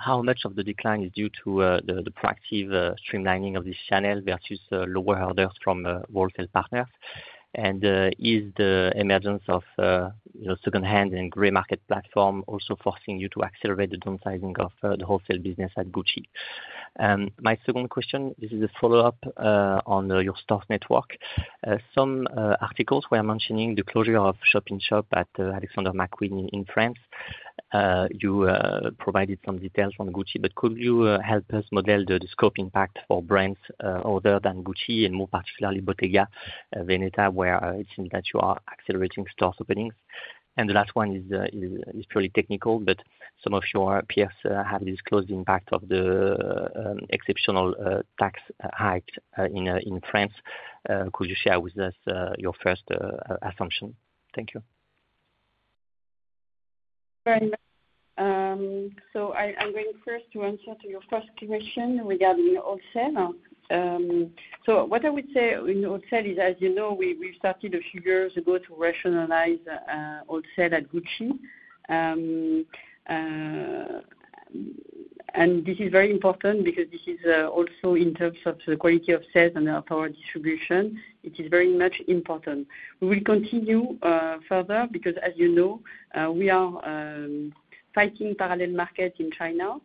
How much of the decline is due to the proactive streamlining of this channel versus lower orders from wholesale partners? And is the emergence of you know, secondhand and gray market platform also forcing you to accelerate the downsizing of the wholesale business at Gucci? My second question is a follow-up on your store network. Some articles were mentioning the closure of shop-in-shop at Alexander McQueen in France. You provided some details on Gucci, but could you help us model the scope impact for brands other than Gucci, and more particularly Bottega Veneta, where it seems that you are accelerating store openings? And the last one is purely technical, but some of your peers have disclosed the impact of the exceptional tax hike in France. Could you share with us your first assumption? Thank you. Right. So I, I'm going first to answer to your first question regarding wholesale. So what I would say in wholesale is, as you know, we started a few years ago to rationalize wholesale at Gucci. And this is very important because this is also in terms of the quality of sales and our power distribution, it is very much important. We will continue further, because as you know, we are fighting parallel markets in China.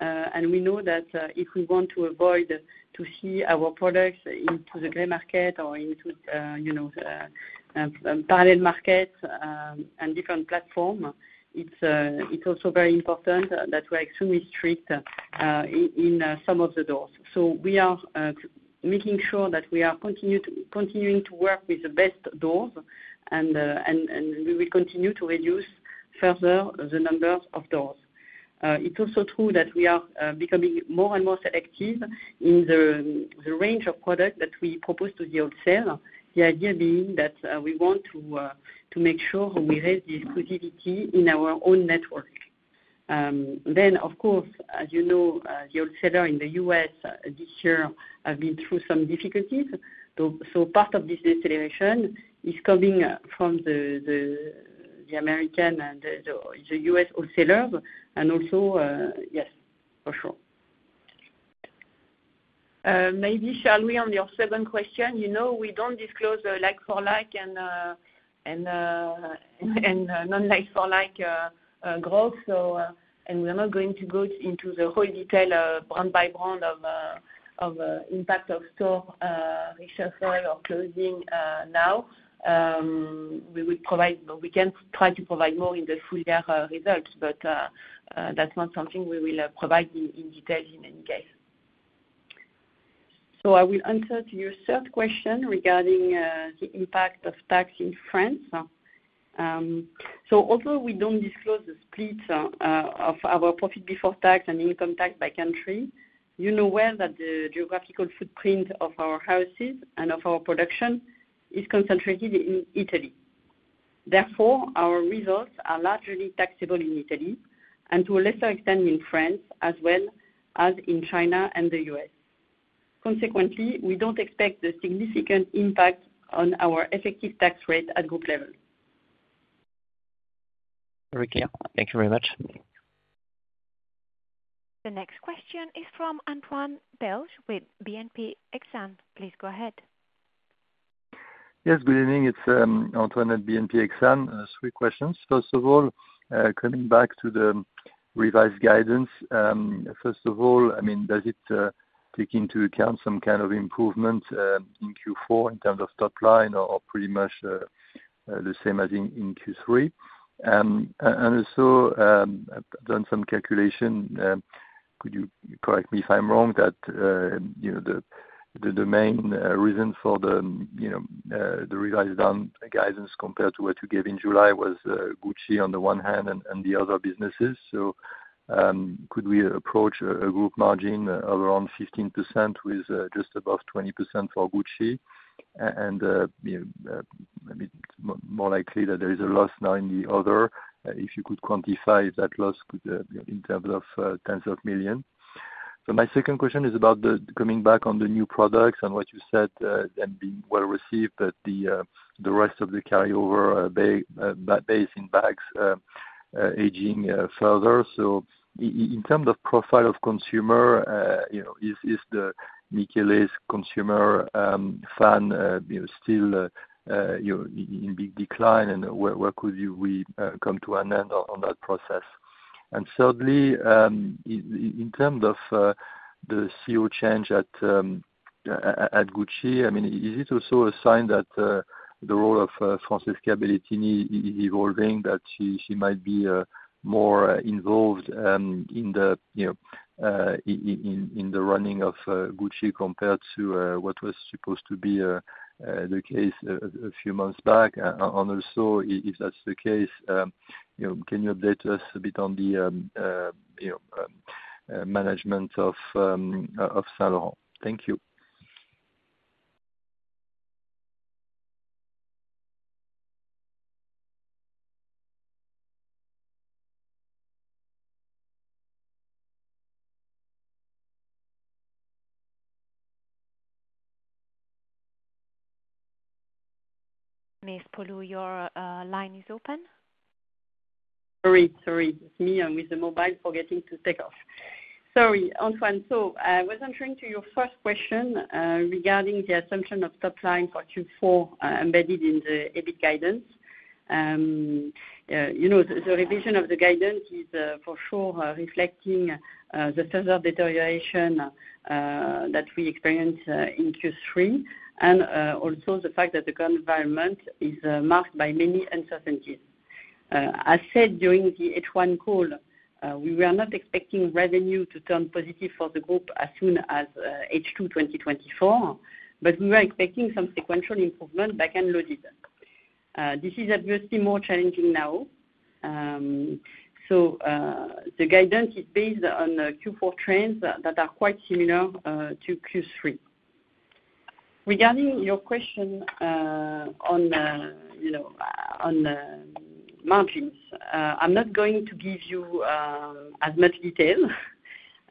And we know that, if we want to avoid to see our products into the gray market or into you know the parallel markets and different platform, it's also very important that we are extremely strict in some of the doors. So we are making sure that we are continuing to work with the best doors and we will continue to reduce further the number of doors. It's also true that we are becoming more and more selective in the range of products that we propose to the wholesaler. The idea being that we want to make sure we raise the exclusivity in our own network. Then, of course, as you know, the wholesalers in the U.S. this year have been through some difficulties. So part of this deceleration is coming from the American and the U.S. wholesalers, and also, yes, for sure. Maybe, shall we, on your second question, you know, we don't disclose the like for like and non-like for like growth, so and we are not going to go into the whole detail, brand by brand, of impact of store reshuffling or closing now. We will provide, we can try to provide more in the full year results, but that's not something we will provide in detail in any case. I will answer to your third question regarding the impact of tax in France. So although we don't disclose the split of our profit before tax and income tax by country, you know well that the geographical footprint of our houses and of our production is concentrated in Italy. Therefore, our results are largely taxable in Italy, and to a lesser extent in France, as well as in China and the U.S. Consequently, we don't expect a significant impact on our effective tax rate at group level. Very clear. Thank you very much. The next question is from Antoine Belge with BNP Paribas Exane. Please go ahead. Yes, good evening. It's Antoine at BNP Paribas Exane. Three questions. First of all, coming back to the revised guidance, first of all, I mean, does it take into account some kind of improvement in Q4 in terms of top line or pretty much the same as in Q3? And also, I've done some calculation. Could you correct me if I'm wrong that you know the main reason for the you know the revised down guidance compared to what you gave in July was Gucci on the one hand and the other businesses? So, could we approach a group margin around 15% with just above 20% for Gucci? And you know maybe more likely that there is a loss now in the other. If you could quantify that loss in terms of tens of millions. So my second question is about coming back on the new products and what you said, them being well received, but the rest of the carryover bag-base in bags aging further. So in terms of profile of consumer, you know, is the Michele’s consumer fan, you know, still in big decline, and where could we come to an end on that process? Thirdly, in terms of the CEO change at Gucci, I mean, is it also a sign that the role of Francesca Bellettini is evolving, that she might be more involved in the running of Gucci, compared to what was supposed to be the case a few months back? And also, if that's the case, you know, can you update us a bit on the management of Saint Laurent? Thank you. Ms. Poulou, your line is open. Sorry, sorry, it's me, I'm with a mobile, forgetting to take off. Sorry, Antoine. So I was answering to your first question regarding the assumption of top line for Q4 embedded in the EBIT guidance. You know, the revision of the guidance is for sure reflecting the further deterioration that we experienced in Q3, and also the fact that the current environment is marked by many uncertainties. As said during the H1 call, we were not expecting revenue to turn positive for the group as soon as H2 2024, but we were expecting some sequential improvement back end loaded. This is obviously more challenging now. So, the guidance is based on Q4 trends that are quite similar to Q3. Regarding your question, on, you know, on, margins, I'm not going to give you, as much detail.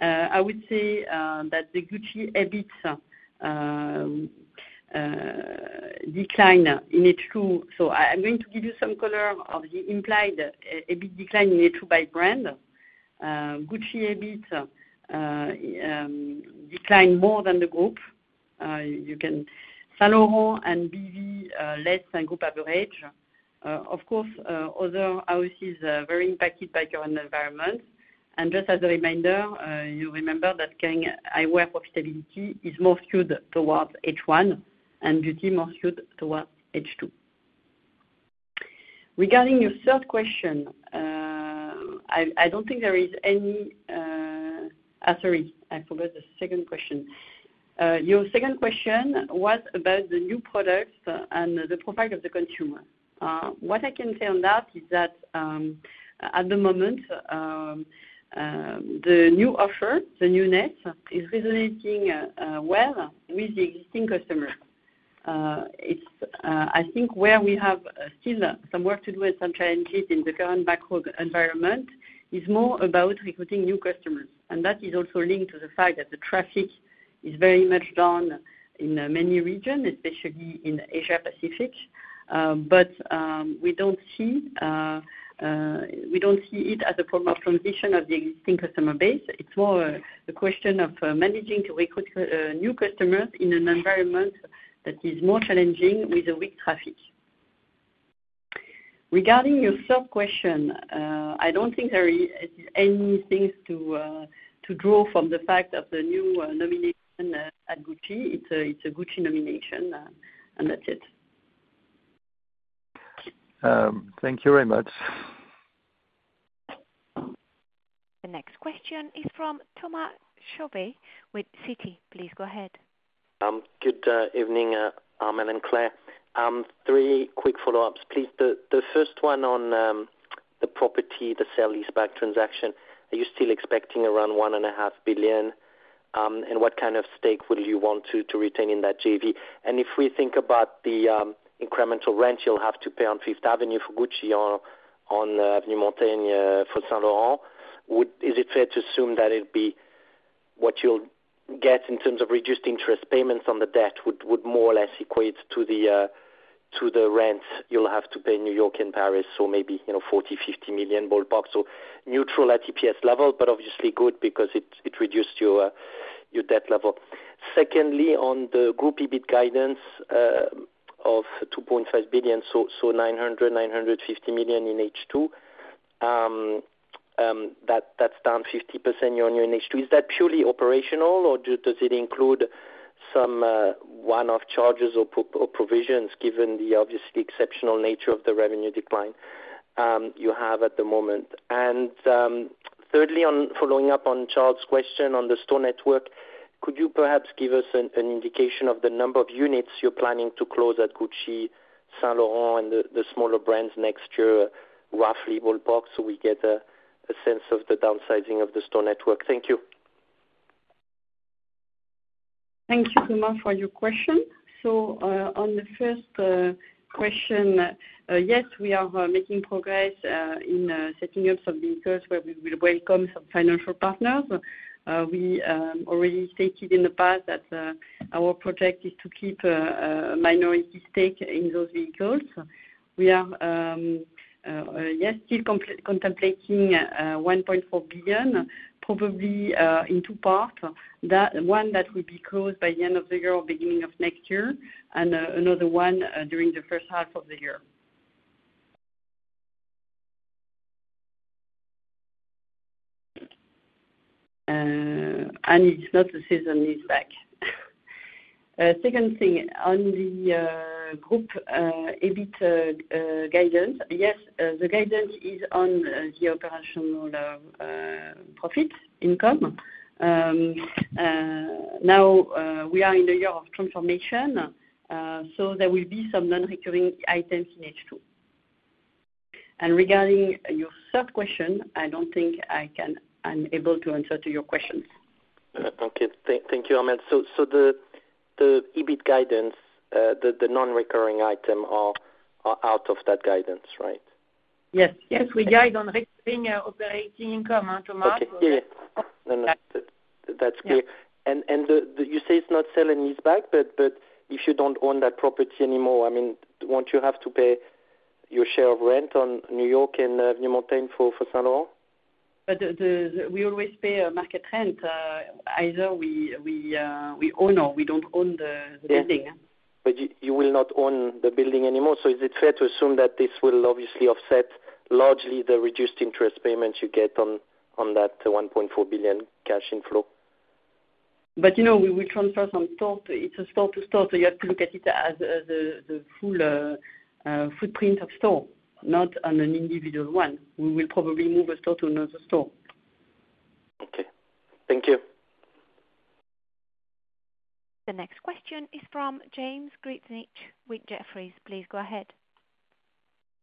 I would say, that the Gucci EBIT, declined more than the group. You can, Saint Laurent and BV, less than group average. Of course, other houses are very impacted by current environment. And just as a reminder, you remember that Kering Eyewear profitability is more skewed towards H1, and beauty more skewed towards H2. Regarding your third question, I don't think there is any... Sorry, I forgot the second question. Your second question was about the new products and the profile of the consumer. What I can say on that is that, at the moment, the new offer, the newness, is resonating well with the existing customer. It's, I think where we have, still some work to do and some challenges in the current macro environment, is more about recruiting new customers. And that is also linked to the fact that the traffic is very much down in, many regions, especially in Asia Pacific. But, we don't see it as a form of transition of the existing customer base. It's more a question of, managing to recruit, new customers in an environment that is more challenging with a weak traffic. Regarding your third question, I don't think there is any things to draw from the fact of the new nomination at Gucci. It's a Gucci nomination, and that's it. Thank you very much. The next question is from Thomas Chauvet with Citi. Please go ahead. Good evening, Armelle and Claire. Three quick follow-ups, please. The first one on the property, the sell-leaseback transaction. Are you still expecting around 1.5 billion? And what kind of stake would you want to retain in that JV? And if we think about the incremental rent you'll have to pay on Fifth Avenue for Gucci or on Avenue Montaigne for Saint Laurent, is it fair to assume that what you'll get in terms of reduced interest payments on the debt would more or less equate to the rents you'll have to pay in New York and Paris, so maybe, you know, 40-50 million ballpark? Neutral at EPS level, but obviously good because it reduced your debt level. Secondly, on the group EBIT guidance of 2.5 billion, so 950 million in H2. That's down 50% year-on-year in H2. Is that purely operational, or does it include some one-off charges or provisions, given the obviously exceptional nature of the revenue decline you have at the moment? And thirdly, on following up on Charles' question on the store network, could you perhaps give us an indication of the number of units you're planning to close at Gucci, Saint Laurent, and the smaller brands next year, roughly ballpark, so we get a sense of the downsizing of the store network? Thank you. Thank you, Thomas, for your question. So, on the first question, yes, we are making progress in setting up some vehicles where we will welcome some financial partners. We already stated in the past that our project is to keep a minority stake in those vehicles. We are yes still contemplating 1.4 billion, probably, in two parts. That, one that will be closed by the end of the year or beginning of next year, and another one during the first half of the year. And it's not the sale and lease back. Second thing, on the group EBIT guidance, yes, the guidance is on the operational profit income. Now, we are in a year of transformation, so there will be some non-recurring items in H2. And regarding your third question, I don't think I can, I'm able to answer to your questions. Okay. Thank you, Armelle. So the EBIT guidance, the non-recurring item are out of that guidance, right? Yes. Yes, we guide on recurring operating income, Thomas. Okay. Yeah, no, no, that's clear. Yeah. You say it's not sell and lease back, but if you don't own that property anymore, I mean, won't you have to pay your share of rent on New York and Avenue Montaigne for Saint Laurent? But we always pay a market rent, either we own or we don't own the building. But you will not own the building anymore, so is it fair to assume that this will obviously offset largely the reduced interest payments you get on that 1.4 billion cash inflow? ...But, you know, we will transfer some store, it's a store to store, so you have to look at it as the full footprint of store, not on an individual one. We will probably move a store to another store. Okay. Thank you. The next question is from James Grzinic with Jefferies. Please go ahead.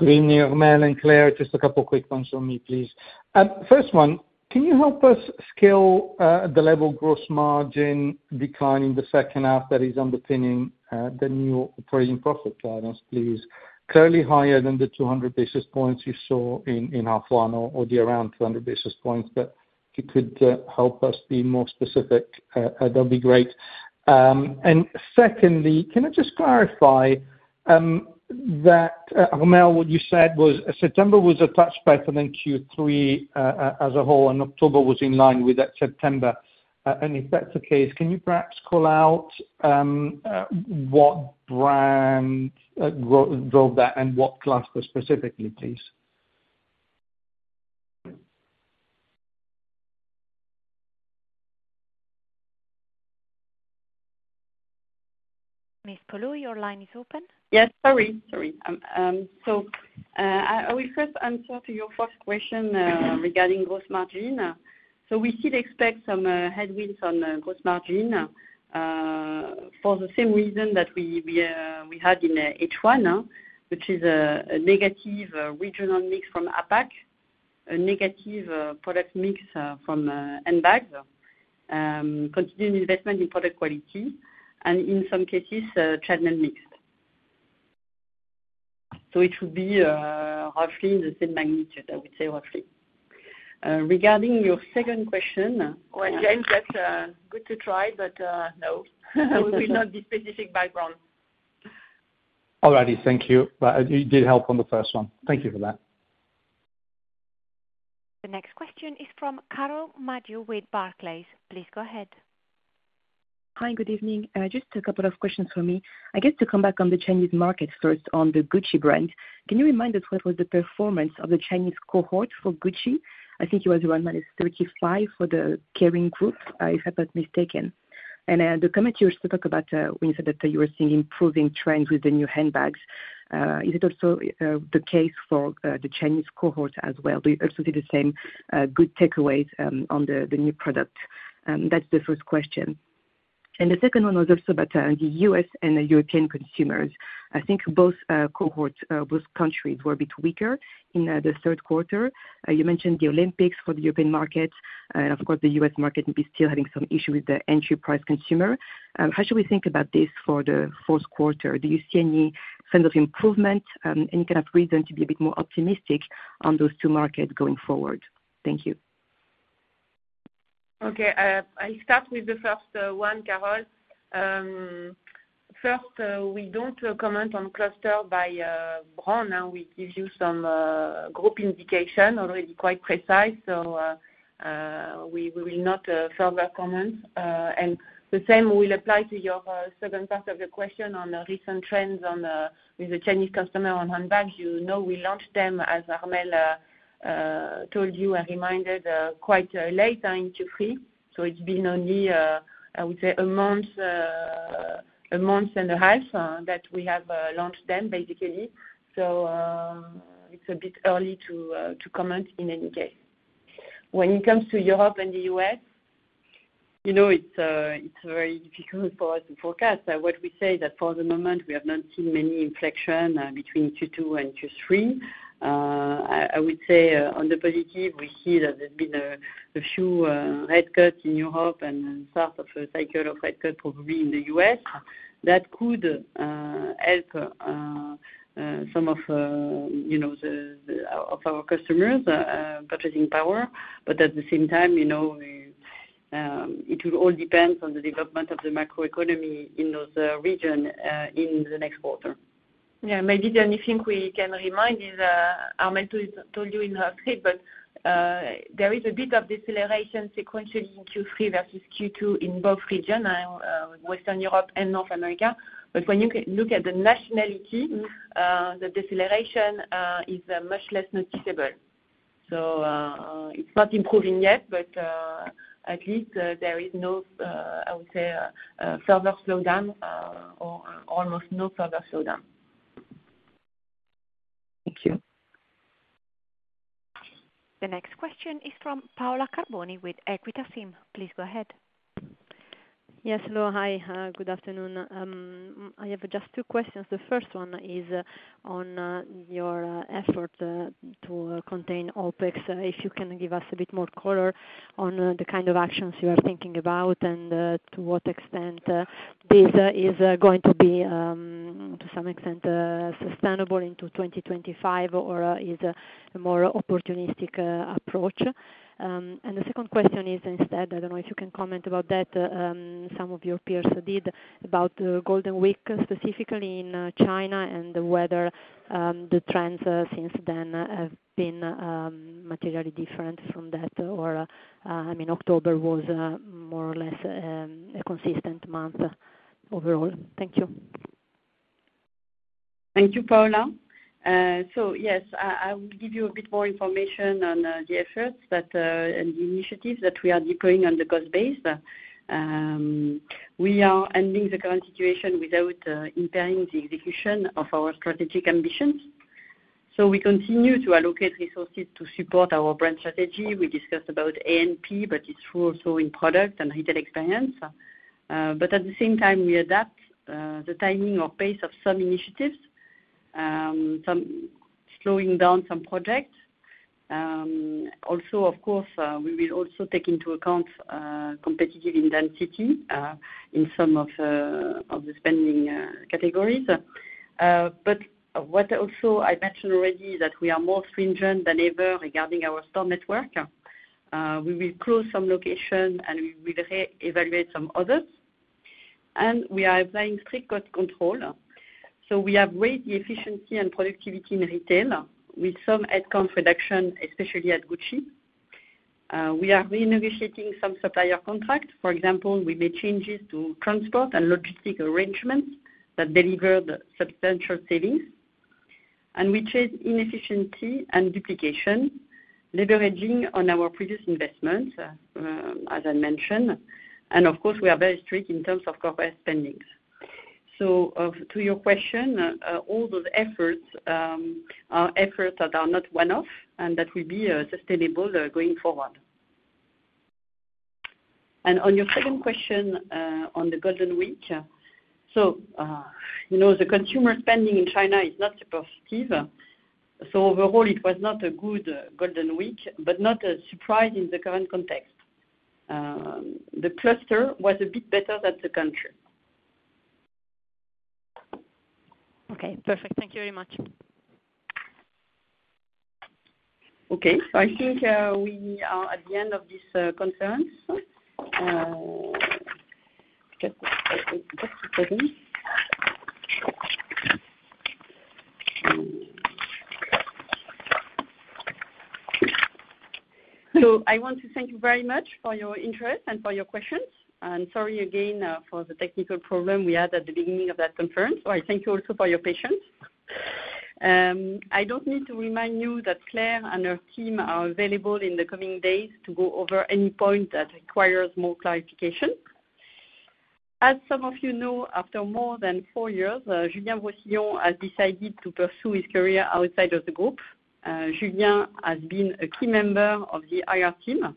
Good evening, Armelle and Claire, just a couple quick ones from me, please. First one, can you help us scale the level of gross margin decline in the second half that is underpinning the new operating profit guidance, please? Clearly higher than the two hundred basis points you saw in half one or the around two hundred basis points, but if you could help us be more specific, that'd be great. And secondly, can I just clarify that, Armelle, what you said was September was a touch better than Q3 as a whole, and October was in line with that September. And if that's the case, can you perhaps call out what brand drove that and what cluster specifically, please? Ms. Poulou, your line is open. Yes, sorry, sorry. So, I will first answer to your first question, regarding gross margin. So we still expect some headwinds on gross margin, for the same reason that we had in H1, which is a negative regional mix from APAC, a negative product mix from handbags, continuing investment in product quality, and in some cases, channel mix. So it would be roughly in the same magnitude, I would say, roughly. Regarding your second question, well, James, that's good to try, but no, so it will not be specific by brand. All righty, thank you. But you did help on the first one. Thank you for that. The next question is from Carole Madjo with Barclays. Please go ahead. Hi, good evening. Just a couple of questions from me. I guess to come back on the Chinese market, first on the Gucci brand, can you remind us what was the performance of the Chinese cohort for Gucci? I think it was around minus thirty-five for the Kering Group, if I'm not mistaken. And the comment you talked about, when you said that you were seeing improving trends with the new handbags, is it also the case for the Chinese cohort as well? Do you also see the same good takeaways on the new product? That's the first question. And the second one was also about the U.S. and the European consumers. I think both cohorts, both countries were a bit weaker in the third quarter. You mentioned the Olympics for the European markets, and of course, the U.S. market will be still having some issue with the entry price consumer. How should we think about this for the fourth quarter? Do you see any signs of improvement, any kind of reason to be a bit more optimistic on those two markets going forward? Thank you. Okay. I start with the first one, Carole. First, we don't comment on clusters by brand. Now we give you some group indication, already quite precise, so we will not further comment. And the same will apply to your second part of the question on the recent trends with the Chinese customer on handbags. You know, we launched them, as Armelle told you and reminded, quite late in Q3, so it's been only, I would say, a month, a month and a half, that we have launched them, basically. So, it's a bit early to comment in any case. When it comes to Europe and the U.S., you know, it's very difficult for us to forecast. What we say that for the moment, we have not seen many inflection between Q2 and Q3. I would say, on the positive, we see that there's been a few rate cuts in Europe and start of a cycle of rate cut, probably in the U.S. That could help some of, you know, the, of our customers purchasing power, but at the same time, you know, it will all depend on the development of the macroeconomy in those region in the next quarter. Yeah, maybe the only thing we can remind is, Armelle told you in her script, but there is a bit of deceleration sequentially in Q3 versus Q2 in both region, Western Europe and North America. But when you look at the nationality, the deceleration is much less noticeable. So, it's not improving yet, but at least there is no, I would say, further slowdown, or almost no further slowdown. Thank you. The next question is from Paola Carboni with Equita SIM. Please go ahead. Yes, hello. Hi, good afternoon. I have just two questions. The first one is on your effort to contain OpEx. If you can give us a bit more color on the kind of actions you are thinking about and to what extent this is going to be, to some extent, sustainable into 2025 or is a more opportunistic approach? And the second question is, instead, I don't know if you can comment about that, some of your peers did, about the Golden Week, specifically in China and whether the trends since then have been materially different from that, or, I mean, October was more or less a consistent month overall. Thank you. Thank you, Paula. So yes, I will give you a bit more information on the efforts and the initiatives that we are deploying on the cost base. We are ending the current situation without impairing the execution of our strategic ambitions. So we continue to allocate resources to support our brand strategy. We discussed about A&P, but it's true also in product and retail experience. But at the same time, we adapt the timing or pace of some initiatives, some slowing down some projects. Also, of course, we will also take into account competitive intensity in some of the spending categories. But what also I mentioned already is that we are more stringent than ever regarding our store network. We will close some location, and we will re-evaluate some others. We are applying strict cost control. So we have raised the efficiency and productivity in retail with some head count reduction, especially at Gucci. We are renegotiating some supplier contracts. For example, we made changes to transport and logistics arrangements that delivered substantial savings, and we changed inefficiency and duplication, leveraging on our previous investments, as I mentioned, and of course, we are very strict in terms of corporate spending. To your question, all those efforts are efforts that are not one-off and that will be sustainable going forward. On your second question, on the Golden Week, you know, the consumer spending in China is not positive. Overall it was not a good Golden Week, but not a surprise in the current context. The cluster was a bit better than the country. Okay, perfect. Thank you very much. Okay. So I think we are at the end of this conference. Just a second. So I want to thank you very much for your interest and for your questions, and sorry again for the technical problem we had at the beginning of that conference. So I thank you also for your patience. I don't need to remind you that Claire and her team are available in the coming days to go over any point that requires more clarification. As some of you know, after more than four years, Julien Brosillon has decided to pursue his career outside of the group. Julien has been a key member of the IR team,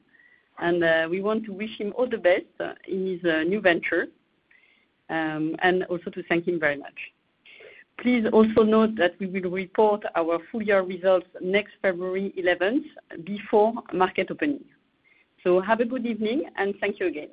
and we want to wish him all the best in his new venture, and also to thank him very much. Please also note that we will report our full year results next February eleventh, before market opening. So have a good evening, and thank you again.